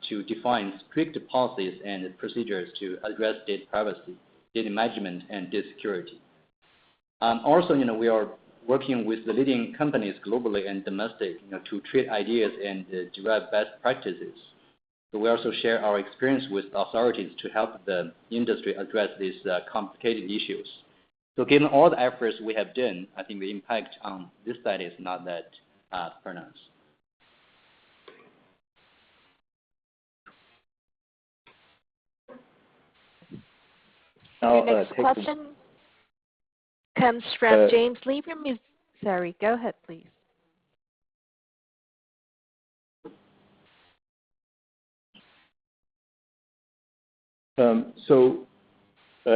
to define strict policies and procedures to address data privacy, data management and data security. Also, you know, we are working with the leading companies globally and domestically, you know, to trade ideas and derive best practices. We also share our experience with authorities to help the industry address these complicated issues. Given all the efforts we have done, I think the impact on this side is not that pronounced. I'll take the- Your next question comes from James Lee. Sorry. Go ahead, please.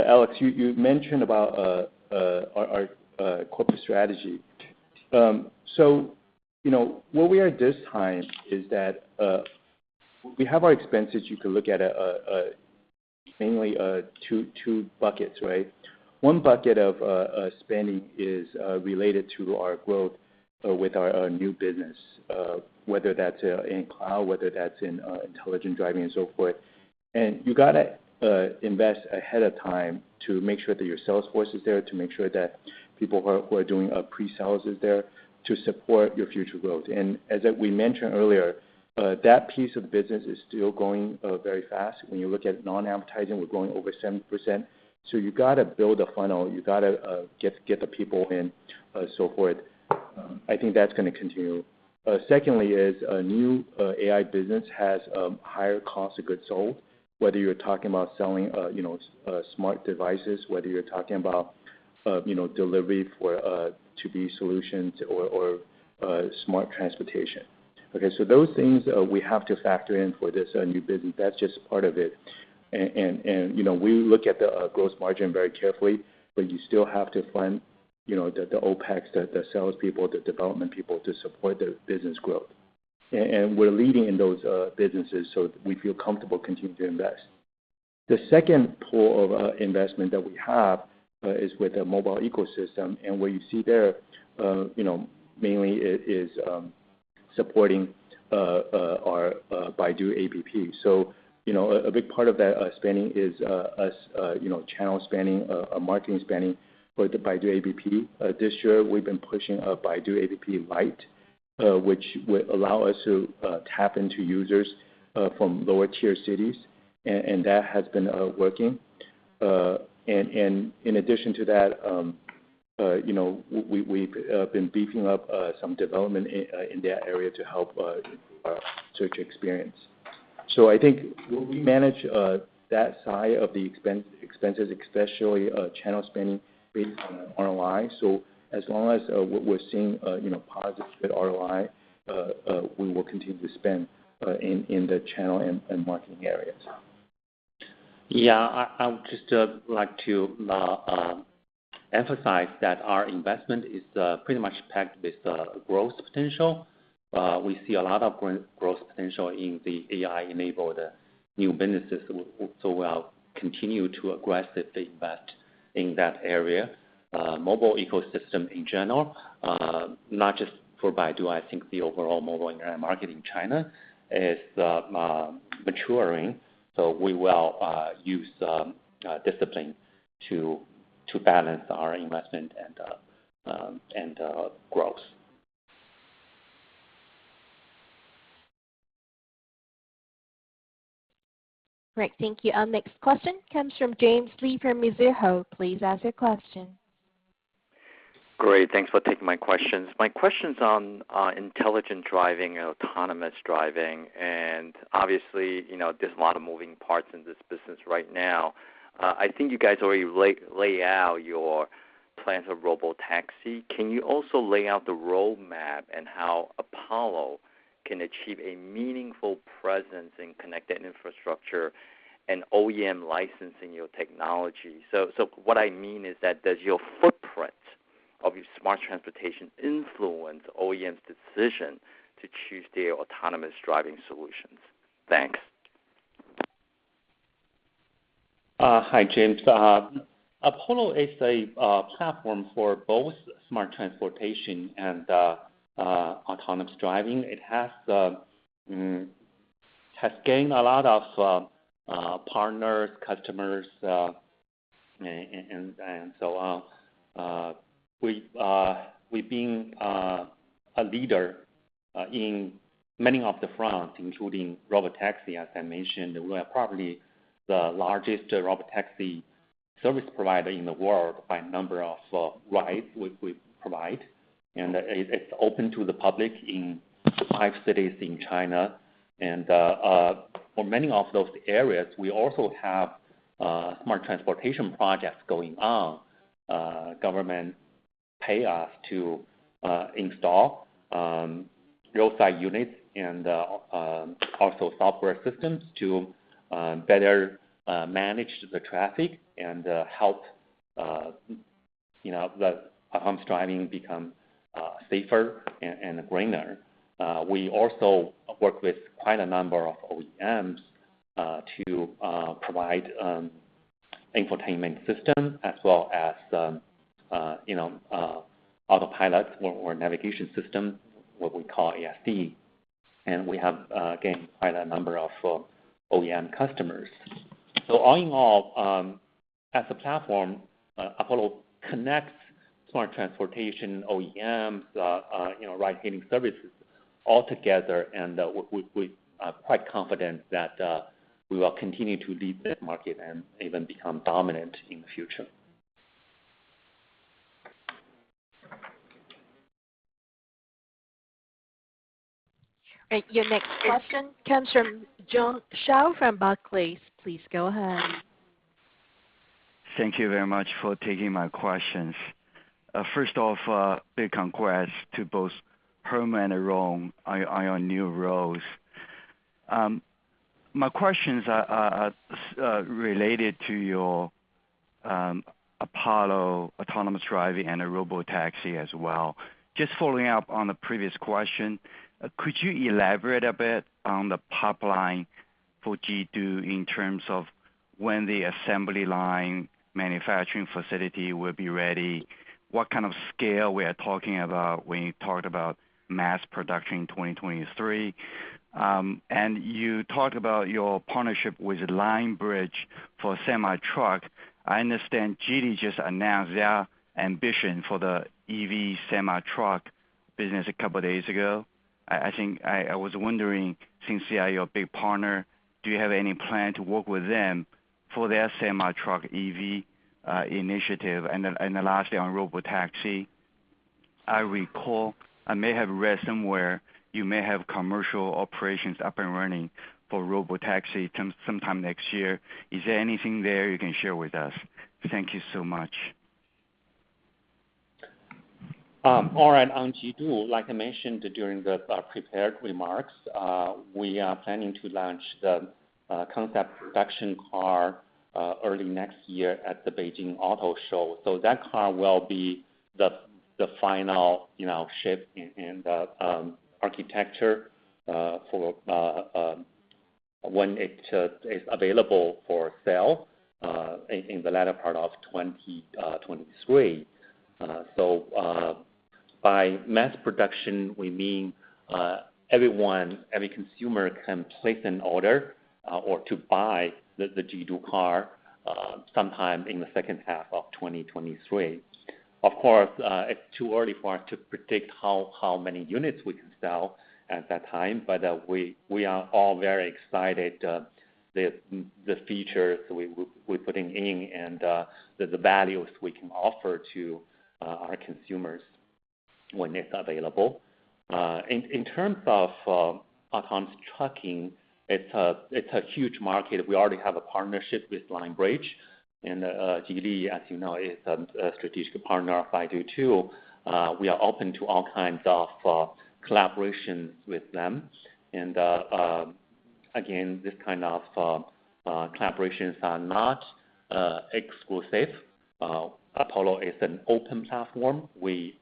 Alex, you mentioned about our corporate strategy. You know, where we are this time is that we have our expenses. You could look at mainly two buckets, right? One bucket of spending is related to our growth with our new business, whether that's in cloud, whether that's in Intelligent Driving and so forth. You gotta invest ahead of time to make sure that your sales force is there, to make sure that people who are doing pre-sales is there to support your future growth. As we mentioned earlier, that piece of business is still growing very fast. When you look at non-advertising, we're growing over 7%, so you gotta build a funnel. You gotta get the people in so forth. I think that's gonna continue. Secondly is a new AI business has higher cost of goods sold, whether you're talking about selling you know smart devices, whether you're talking about you know delivery for 2B solutions or smart transportation. Okay, so those things we have to factor in for this new business. That's just part of it. And you know, we look at the growth margin very carefully, but you still have to fund you know the OpEx, the sales people, the development people to support the business growth. And we're leading in those businesses, so we feel comfortable continuing to invest. The second pool of investment that we have is with the mobile ecosystem. What you see there, you know, mainly is supporting our Baidu App. You know, a big part of that spending is us, you know, channel spending, marketing spending for the Baidu App. This year, we've been pushing a Baidu App Lite, which would allow us to tap into users from lower tier cities, and that has been working. In addition to that, you know, we've been beefing up some development in that area to help our search experience. I think we manage that side of the expenses, especially channel spending based on ROI. As long as we're seeing, you know, positive ROI, we will continue to spend in the channel and marketing areas. Yeah. I would just like to emphasize that our investment is pretty much packed with growth potential. We see a lot of growth potential in the AI-enabled new businesses, so we'll continue to aggressively invest in that area. Mobile ecosystem in general, not just for Baidu, I think the overall mobile internet market in China is maturing, so we will use discipline to balance our investment and growth. Right. Thank you. Our next question comes from James Lee from Mizuho. Please ask your question. Great. Thanks for taking my questions. My question's on intelligent driving and autonomous driving. Obviously, you know, there's a lot of moving parts in this business right now. I think you guys already lay out your plans of robotaxi. Can you also lay out the roadmap and how Apollo can achieve a meaningful presence in connected infrastructure and OEM licensing your technology? So what I mean is that does your footprint of your smart transportation influence OEM's decision to choose their autonomous driving solutions? Thanks. Hi, James. Apollo is a platform for both smart transportation and autonomous driving. It has gained a lot of partners, customers, and so on. We've been a leader in many of the fronts, including robotaxi, as I mentioned. We are probably the largest robotaxi service provider in the world by number of rides we provide, and it's open to the public in five cities in China. For many of those areas, we also have smart transportation projects going on. Government pays us to install roadside units and also software systems to better manage the traffic and help you know the autonomous driving become safer and greener. We also work with quite a number of OEMs to provide infotainment system as well as you know autopilot or navigation system, what we call ASD. We have again quite a number of OEM customers. All in all, as a platform, Apollo connects smart transportation, OEMs you know ride-hailing services all together, and we're quite confident that we will continue to lead that market and even become dominant in the future. Right. Your next question comes from Jiong Shao from Barclays. Please go ahead. Thank you very much for taking my questions. First off, big congrats to both Herman and Rong on your new roles. My questions are related to your Apollo autonomous driving and the robotaxi as well. Just following up on the previous question, could you elaborate a bit on the pipeline for Jidu in terms of when the assembly line manufacturing facility will be ready? What kind of scale we are talking about when you talk about mass production 2023? You talked about your partnership with Lionbridge for semi-truck. I understand Geely just announced their ambition for the EV semi-truck business a couple days ago. I think I was wondering, since they are your big partner, do you have any plan to work with them for their semi-truck EV initiative? Lastly, on robotaxi, I recall, I may have read somewhere you may have commercial operations up and running for robotaxi come sometime next year. Is there anything there you can share with us? Thank you so much. All right. On Jidu, like I mentioned during the prepared remarks, we are planning to launch the concept production car early next year at the Beijing Auto Show. That car will be the final, you know, shape in the architecture for when it is available for sale in the latter part of 2023. By mass production, we mean everyone, every consumer can place an order. To buy the Jidu car sometime in the second half of 2023. Of course, it's too early for us to predict how many units we can sell at that time, but we are all very excited, the features we're putting in and the values we can offer to our consumers when it's available. In terms of autonomous trucking, it's a huge market. We already have a partnership with Lionbridge and Geely, as you know, is a strategic partner of Baidu, too. We are open to all kinds of collaborations with them. Again, this kind of collaborations are not exclusive. Apollo is an open platform. We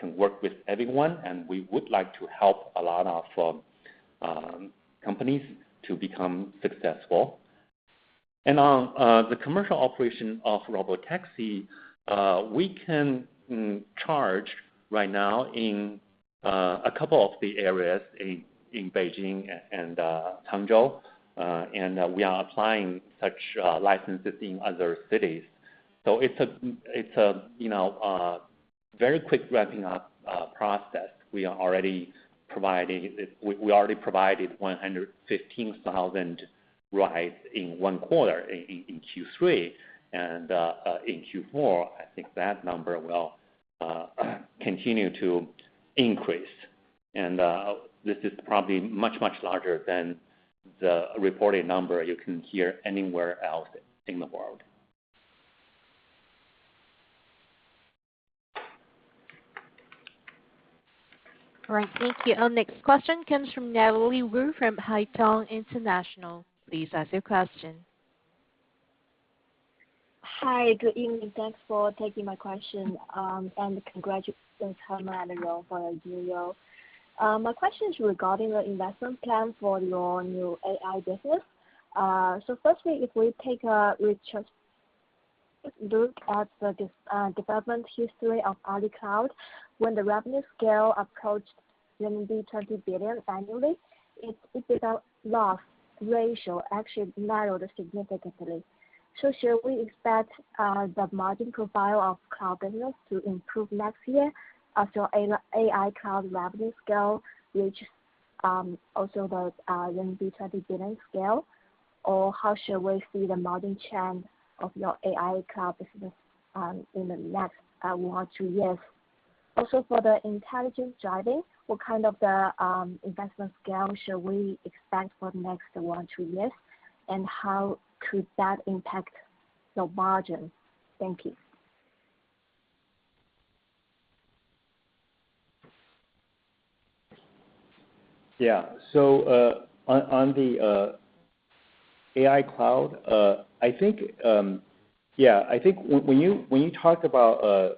can work with everyone, and we would like to help a lot of companies to become successful. On the commercial operation of Robotaxi, we can charge right now in a couple of the areas in Beijing and Hangzhou. We are applying such licenses in other cities. It's a you know a very quick ramping up process. We already provided 115,000 rides in one quarter, in Q3. In Q4, I think that number will continue to increase. This is probably much larger than the reported number you can hear anywhere else in the world. All right. Thank you. Our next question comes from Natalie Wu from Haitong International. Please ask your question. Hi. Good evening. Thanks for taking my question. Thanks, Herman and Rob, for your new role. My question is regarding the investment plan for your new AI business. Firstly, if we just look at the development history of Alibaba Cloud, when the revenue scale approached 20 billion annually, its EBITDA loss ratio actually narrowed significantly. Should we expect the margin profile of cloud business to improve next year as your AI cloud revenue scale reaches also the 20 billion scale? Or how should we see the margin trend of your AI cloud business in the next one or two years? Also for the Intelligent Driving, what kind of investment scale should we expect for the next one to two years? And how could that impact your margins? Thank you. On the AI cloud, I think when you talk about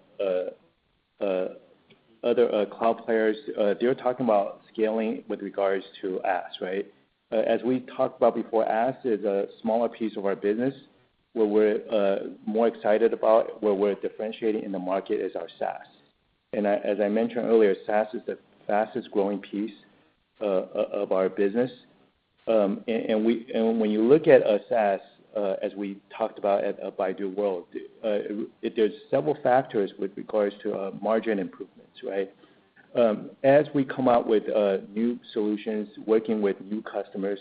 other cloud players, they're talking about scaling with regards to IaaS, right? As we talked about before, IaaS is a smaller piece of our business. What we're more excited about, what we're differentiating in the market is our SaaS. As I mentioned earlier, SaaS is the fastest-growing piece of our business. When you look at SaaS, as we talked about at Baidu World, there's several factors with regards to margin improvements, right? As we come out with new solutions, working with new customers,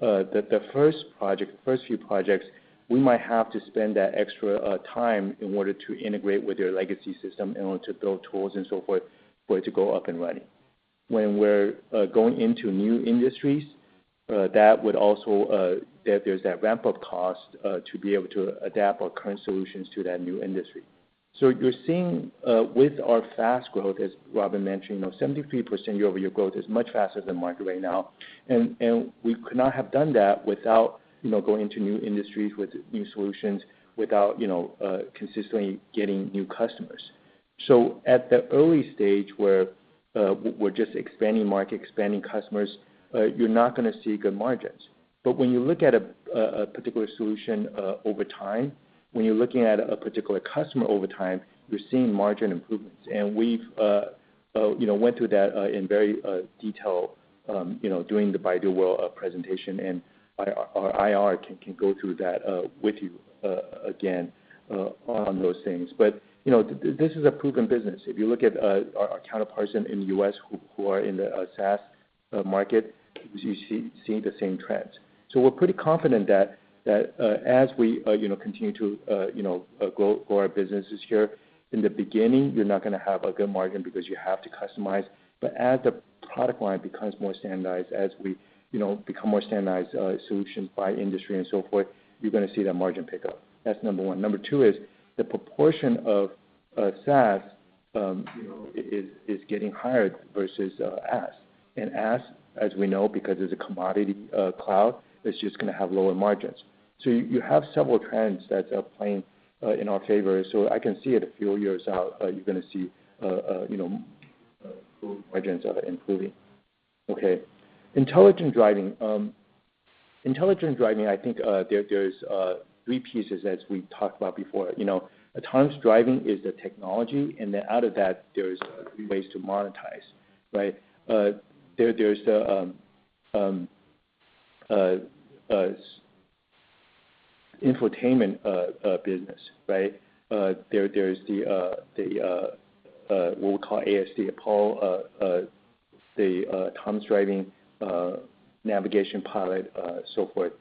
the first few projects, we might have to spend that extra time in order to integrate with your legacy system, in order to build tools and so forth for it to go up and running. When we're going into new industries, that would also there's that ramp-up cost to be able to adapt our current solutions to that new industry. You're seeing with our fast growth, as Robin mentioned, you know, 73% year-over-year growth is much faster than market right now. We could not have done that without, you know, going into new industries with new solutions, without, you know, consistently getting new customers. At the early stage where we're just expanding market, expanding customers, you're not gonna see good margins. When you look at a particular solution over time, when you're looking at a particular customer over time, you're seeing margin improvements. We've you know went through that in very detail you know during the Baidu World presentation, and our IR can go through that with you again on those things. You know this is a proven business. If you look at our counterparts in the U.S. who are in the SaaS market, you see the same trends. We're pretty confident that as we you know continue to you know grow our businesses here, in the beginning, you're not gonna have a good margin because you have to customize. As the product line becomes more standardized, as we you know become more standardized solution by industry and so forth, you're gonna see that margin pick up. That's number one. Number two is the proportion of SaaS you know is getting higher versus IaaS. IaaS, as we know, because it's a commodity cloud, it's just gonna have lower margins. You have several trends that are playing in our favor. I can see it a few years out, you're gonna see you know margins improving. Okay. Intelligent Driving. Intelligent Driving, I think, there are three pieces as we talked about before. You know, Autonomous Driving is the technology, and then out of that, there are three ways to monetize. Right. There is the infotainment business, right? There is the what we call ASD Apollo, the Autonomous Driving navigation pilot, so forth.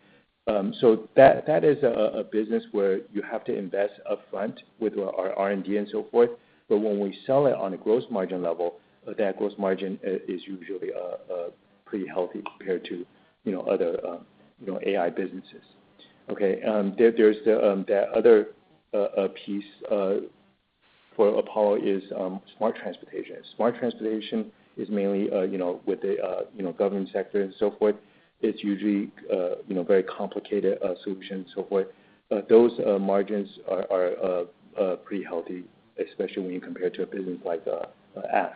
So that is a business where you have to invest upfront with our R&D and so forth, but when we sell it on a gross margin level, that gross margin is usually pretty healthy compared to, you know, other, you know, AI businesses. Okay. There is the other piece for Apollo, smart transportation. Smart transportation is mainly, you know, with the, you know, government sector and so forth. It's usually, you know, very complicated solution, so forth. Those margins are pretty healthy, especially when you compare to a business like ads.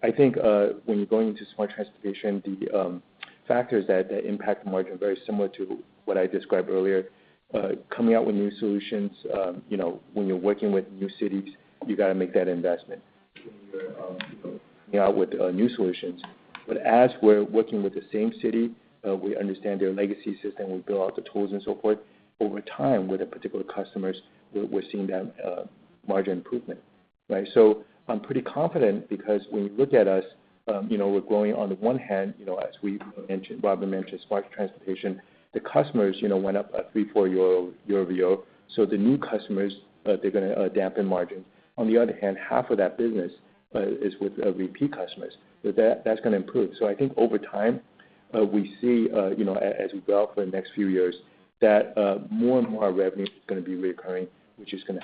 I think when you're going into smart transportation, the factors that impact the margin are very similar to what I described earlier. Coming out with new solutions, you know, when you're working with new cities, you gotta make that investment when you're, you know, coming out with new solutions. As we're working with the same city, we understand their legacy system, we build out the tools and so forth. Over time with the particular customers, we're seeing that margin improvement, right? I'm pretty confident because when you look at us, you know, we're growing on the one hand, you know, as we mentioned, Robin mentioned smart transportation, the customers, you know, went up like 3-4 year-over-year. The new customers, they're gonna dampen margin. On the other hand, half of that business is with repeat customers. That's gonna improve. I think over time, we see, you know, as we go for the next few years, that more and more revenue is gonna be recurring, which is gonna.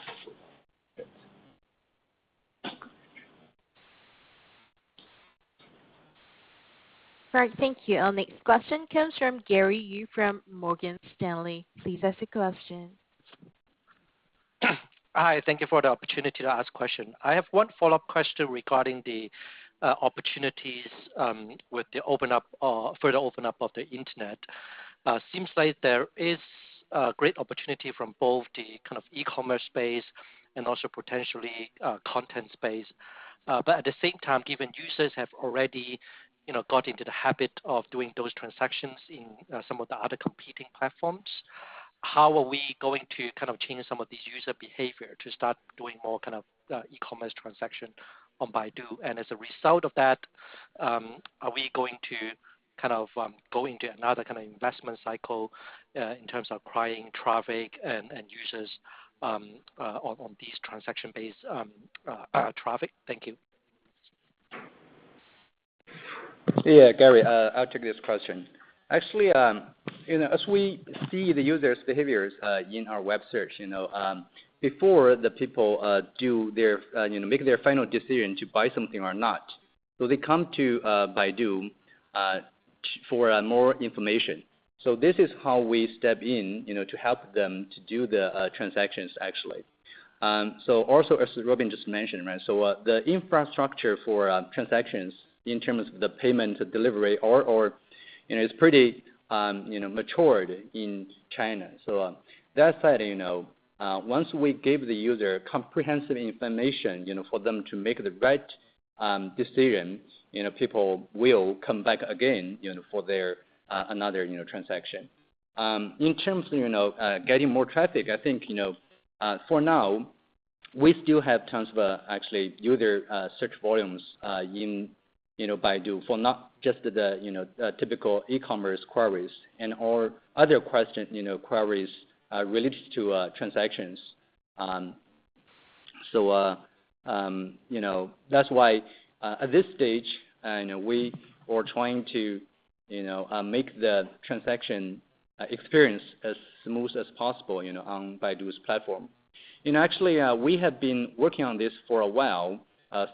All right. Thank you. Our next question comes from Gary Yu from Morgan Stanley. Please ask the question. Hi. Thank you for the opportunity to ask question. I have one follow-up question regarding the opportunities with the further open up of the internet. It seems like there is a great opportunity from both the kind of e-commerce space and also potentially content space. But at the same time, given users have already, you know, got into the habit of doing those transactions in some of the other competing platforms, how are we going to kind of change some of these user behavior to start doing more kind of e-commerce transaction on Baidu? As a result of that, are we going to kind of go into another kind of investment cycle in terms of acquiring traffic and users on these transaction-based traffic? Thank you. Yeah, Gary, I'll take this question. Actually, you know, as we see the users' behaviors in our web search, you know, before the people make their final decision to buy something or not, they come to Baidu for more information. This is how we step in, you know, to help them to do the transactions actually. Also as Robin just mentioned, right, the infrastructure for transactions in terms of the payment delivery or you know it's pretty you know matured in China. That said, you know, once we give the user comprehensive information, you know, for them to make the right decision, you know, people will come back again, you know, for their another transaction. In terms of, you know, getting more traffic, I think, you know, for now we still have tons of, actually, user search volumes in, you know, Baidu for not just the typical e-commerce queries and/or other queries related to transactions. That's why, at this stage, you know, we are trying to, you know, make the transaction experience as smooth as possible, you know, on Baidu's platform. Actually, we have been working on this for a while,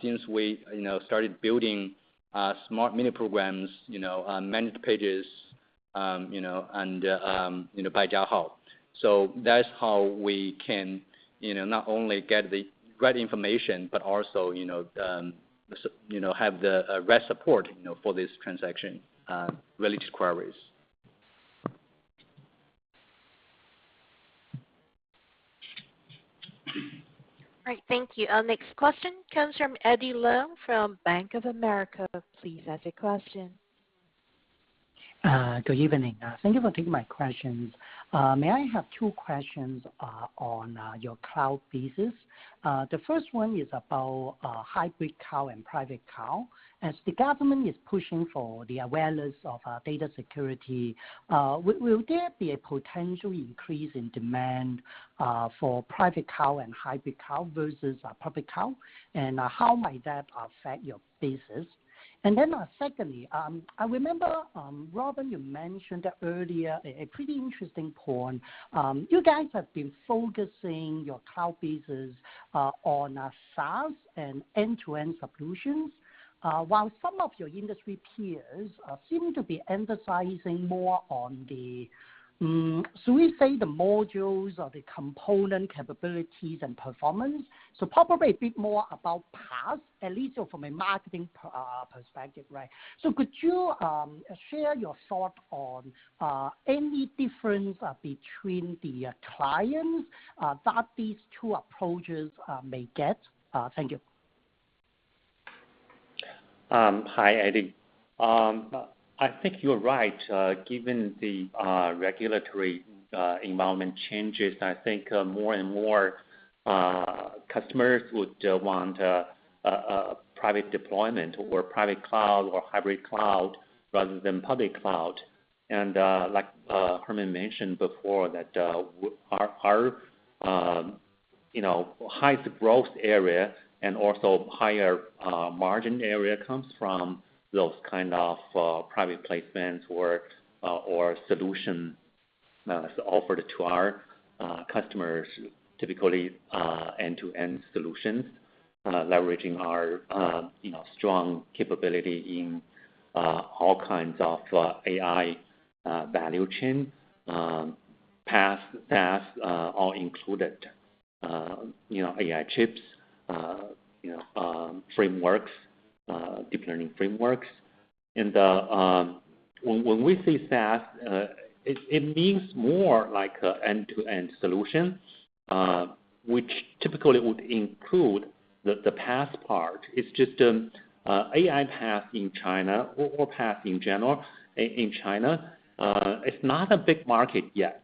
since we, you know, started building smart mini programs, you know, on Managed Pages, you know, and Baidu App. That's how we can, you know, not only get the right information, but also, you know, have the right support, you know, for this transaction-related queries. All right. Thank you. Our next question comes from Eddie Leung from Bank of America. Please ask your question. Good evening. Thank you for taking my questions. May I have two questions on your cloud business? The first one is about hybrid cloud and private cloud. As the government is pushing for the awareness of data security, will there be a potential increase in demand for private cloud and hybrid cloud versus public cloud? How might that affect your business? Secondly, I remember, Robin, you mentioned earlier a pretty interesting point. You guys have been focusing your cloud business on SaaS and end-to-end solutions, while some of your industry peers seem to be emphasizing more on the, shall we say, modules or the component capabilities and performance. Probably a bit more about path, at least from a marketing perspective, right? Could you share your thought on any difference between the clients that these two approaches may get? Thank you. Hi, Eddie. I think you're right. Given the regulatory environment changes, I think more and more customers would want private deployment or private cloud or hybrid cloud rather than public cloud. Like Herman mentioned before that our high growth area and also higher margin area comes from those kind of private placements or solution offered to our customers, typically end-to-end solutions leveraging our strong capability in all kinds of AI value chain, PaaS, SaaS, all included. You know, AI chips, frameworks, deep learning frameworks. When we say SaaS, it means more like a end-to-end solution which typically would include the PaaS part. It's just AI PaaS in China or PaaS in general in China is not a big market yet.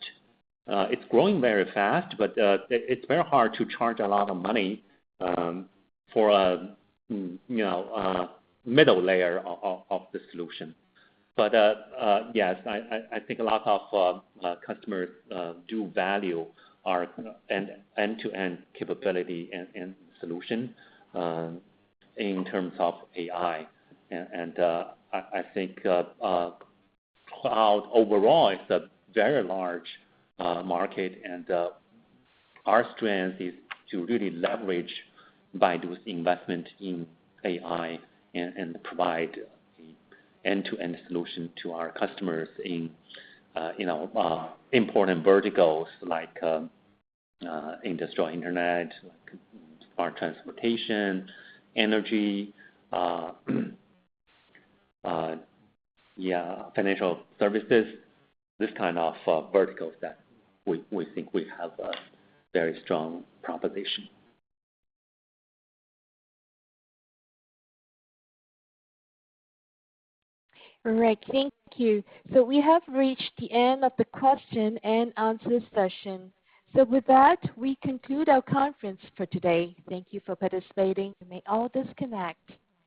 It's growing very fast, but it's very hard to charge a lot of money for you know middle layer of the solution. Yes, I think a lot of customers do value our end-to-end capability and end solution in terms of AI. I think cloud overall is a very large market, and our strength is to really leverage Baidu's investment in AI and provide end-to-end solution to our customers in you know important verticals like industrial internet, smart transportation, energy, yeah, financial services. This kind of verticals that we think we have a very strong proposition. All right. Thank you. We have reached the end of the question and answer session. With that, we conclude our conference for today. Thank you for participating. You may all disconnect.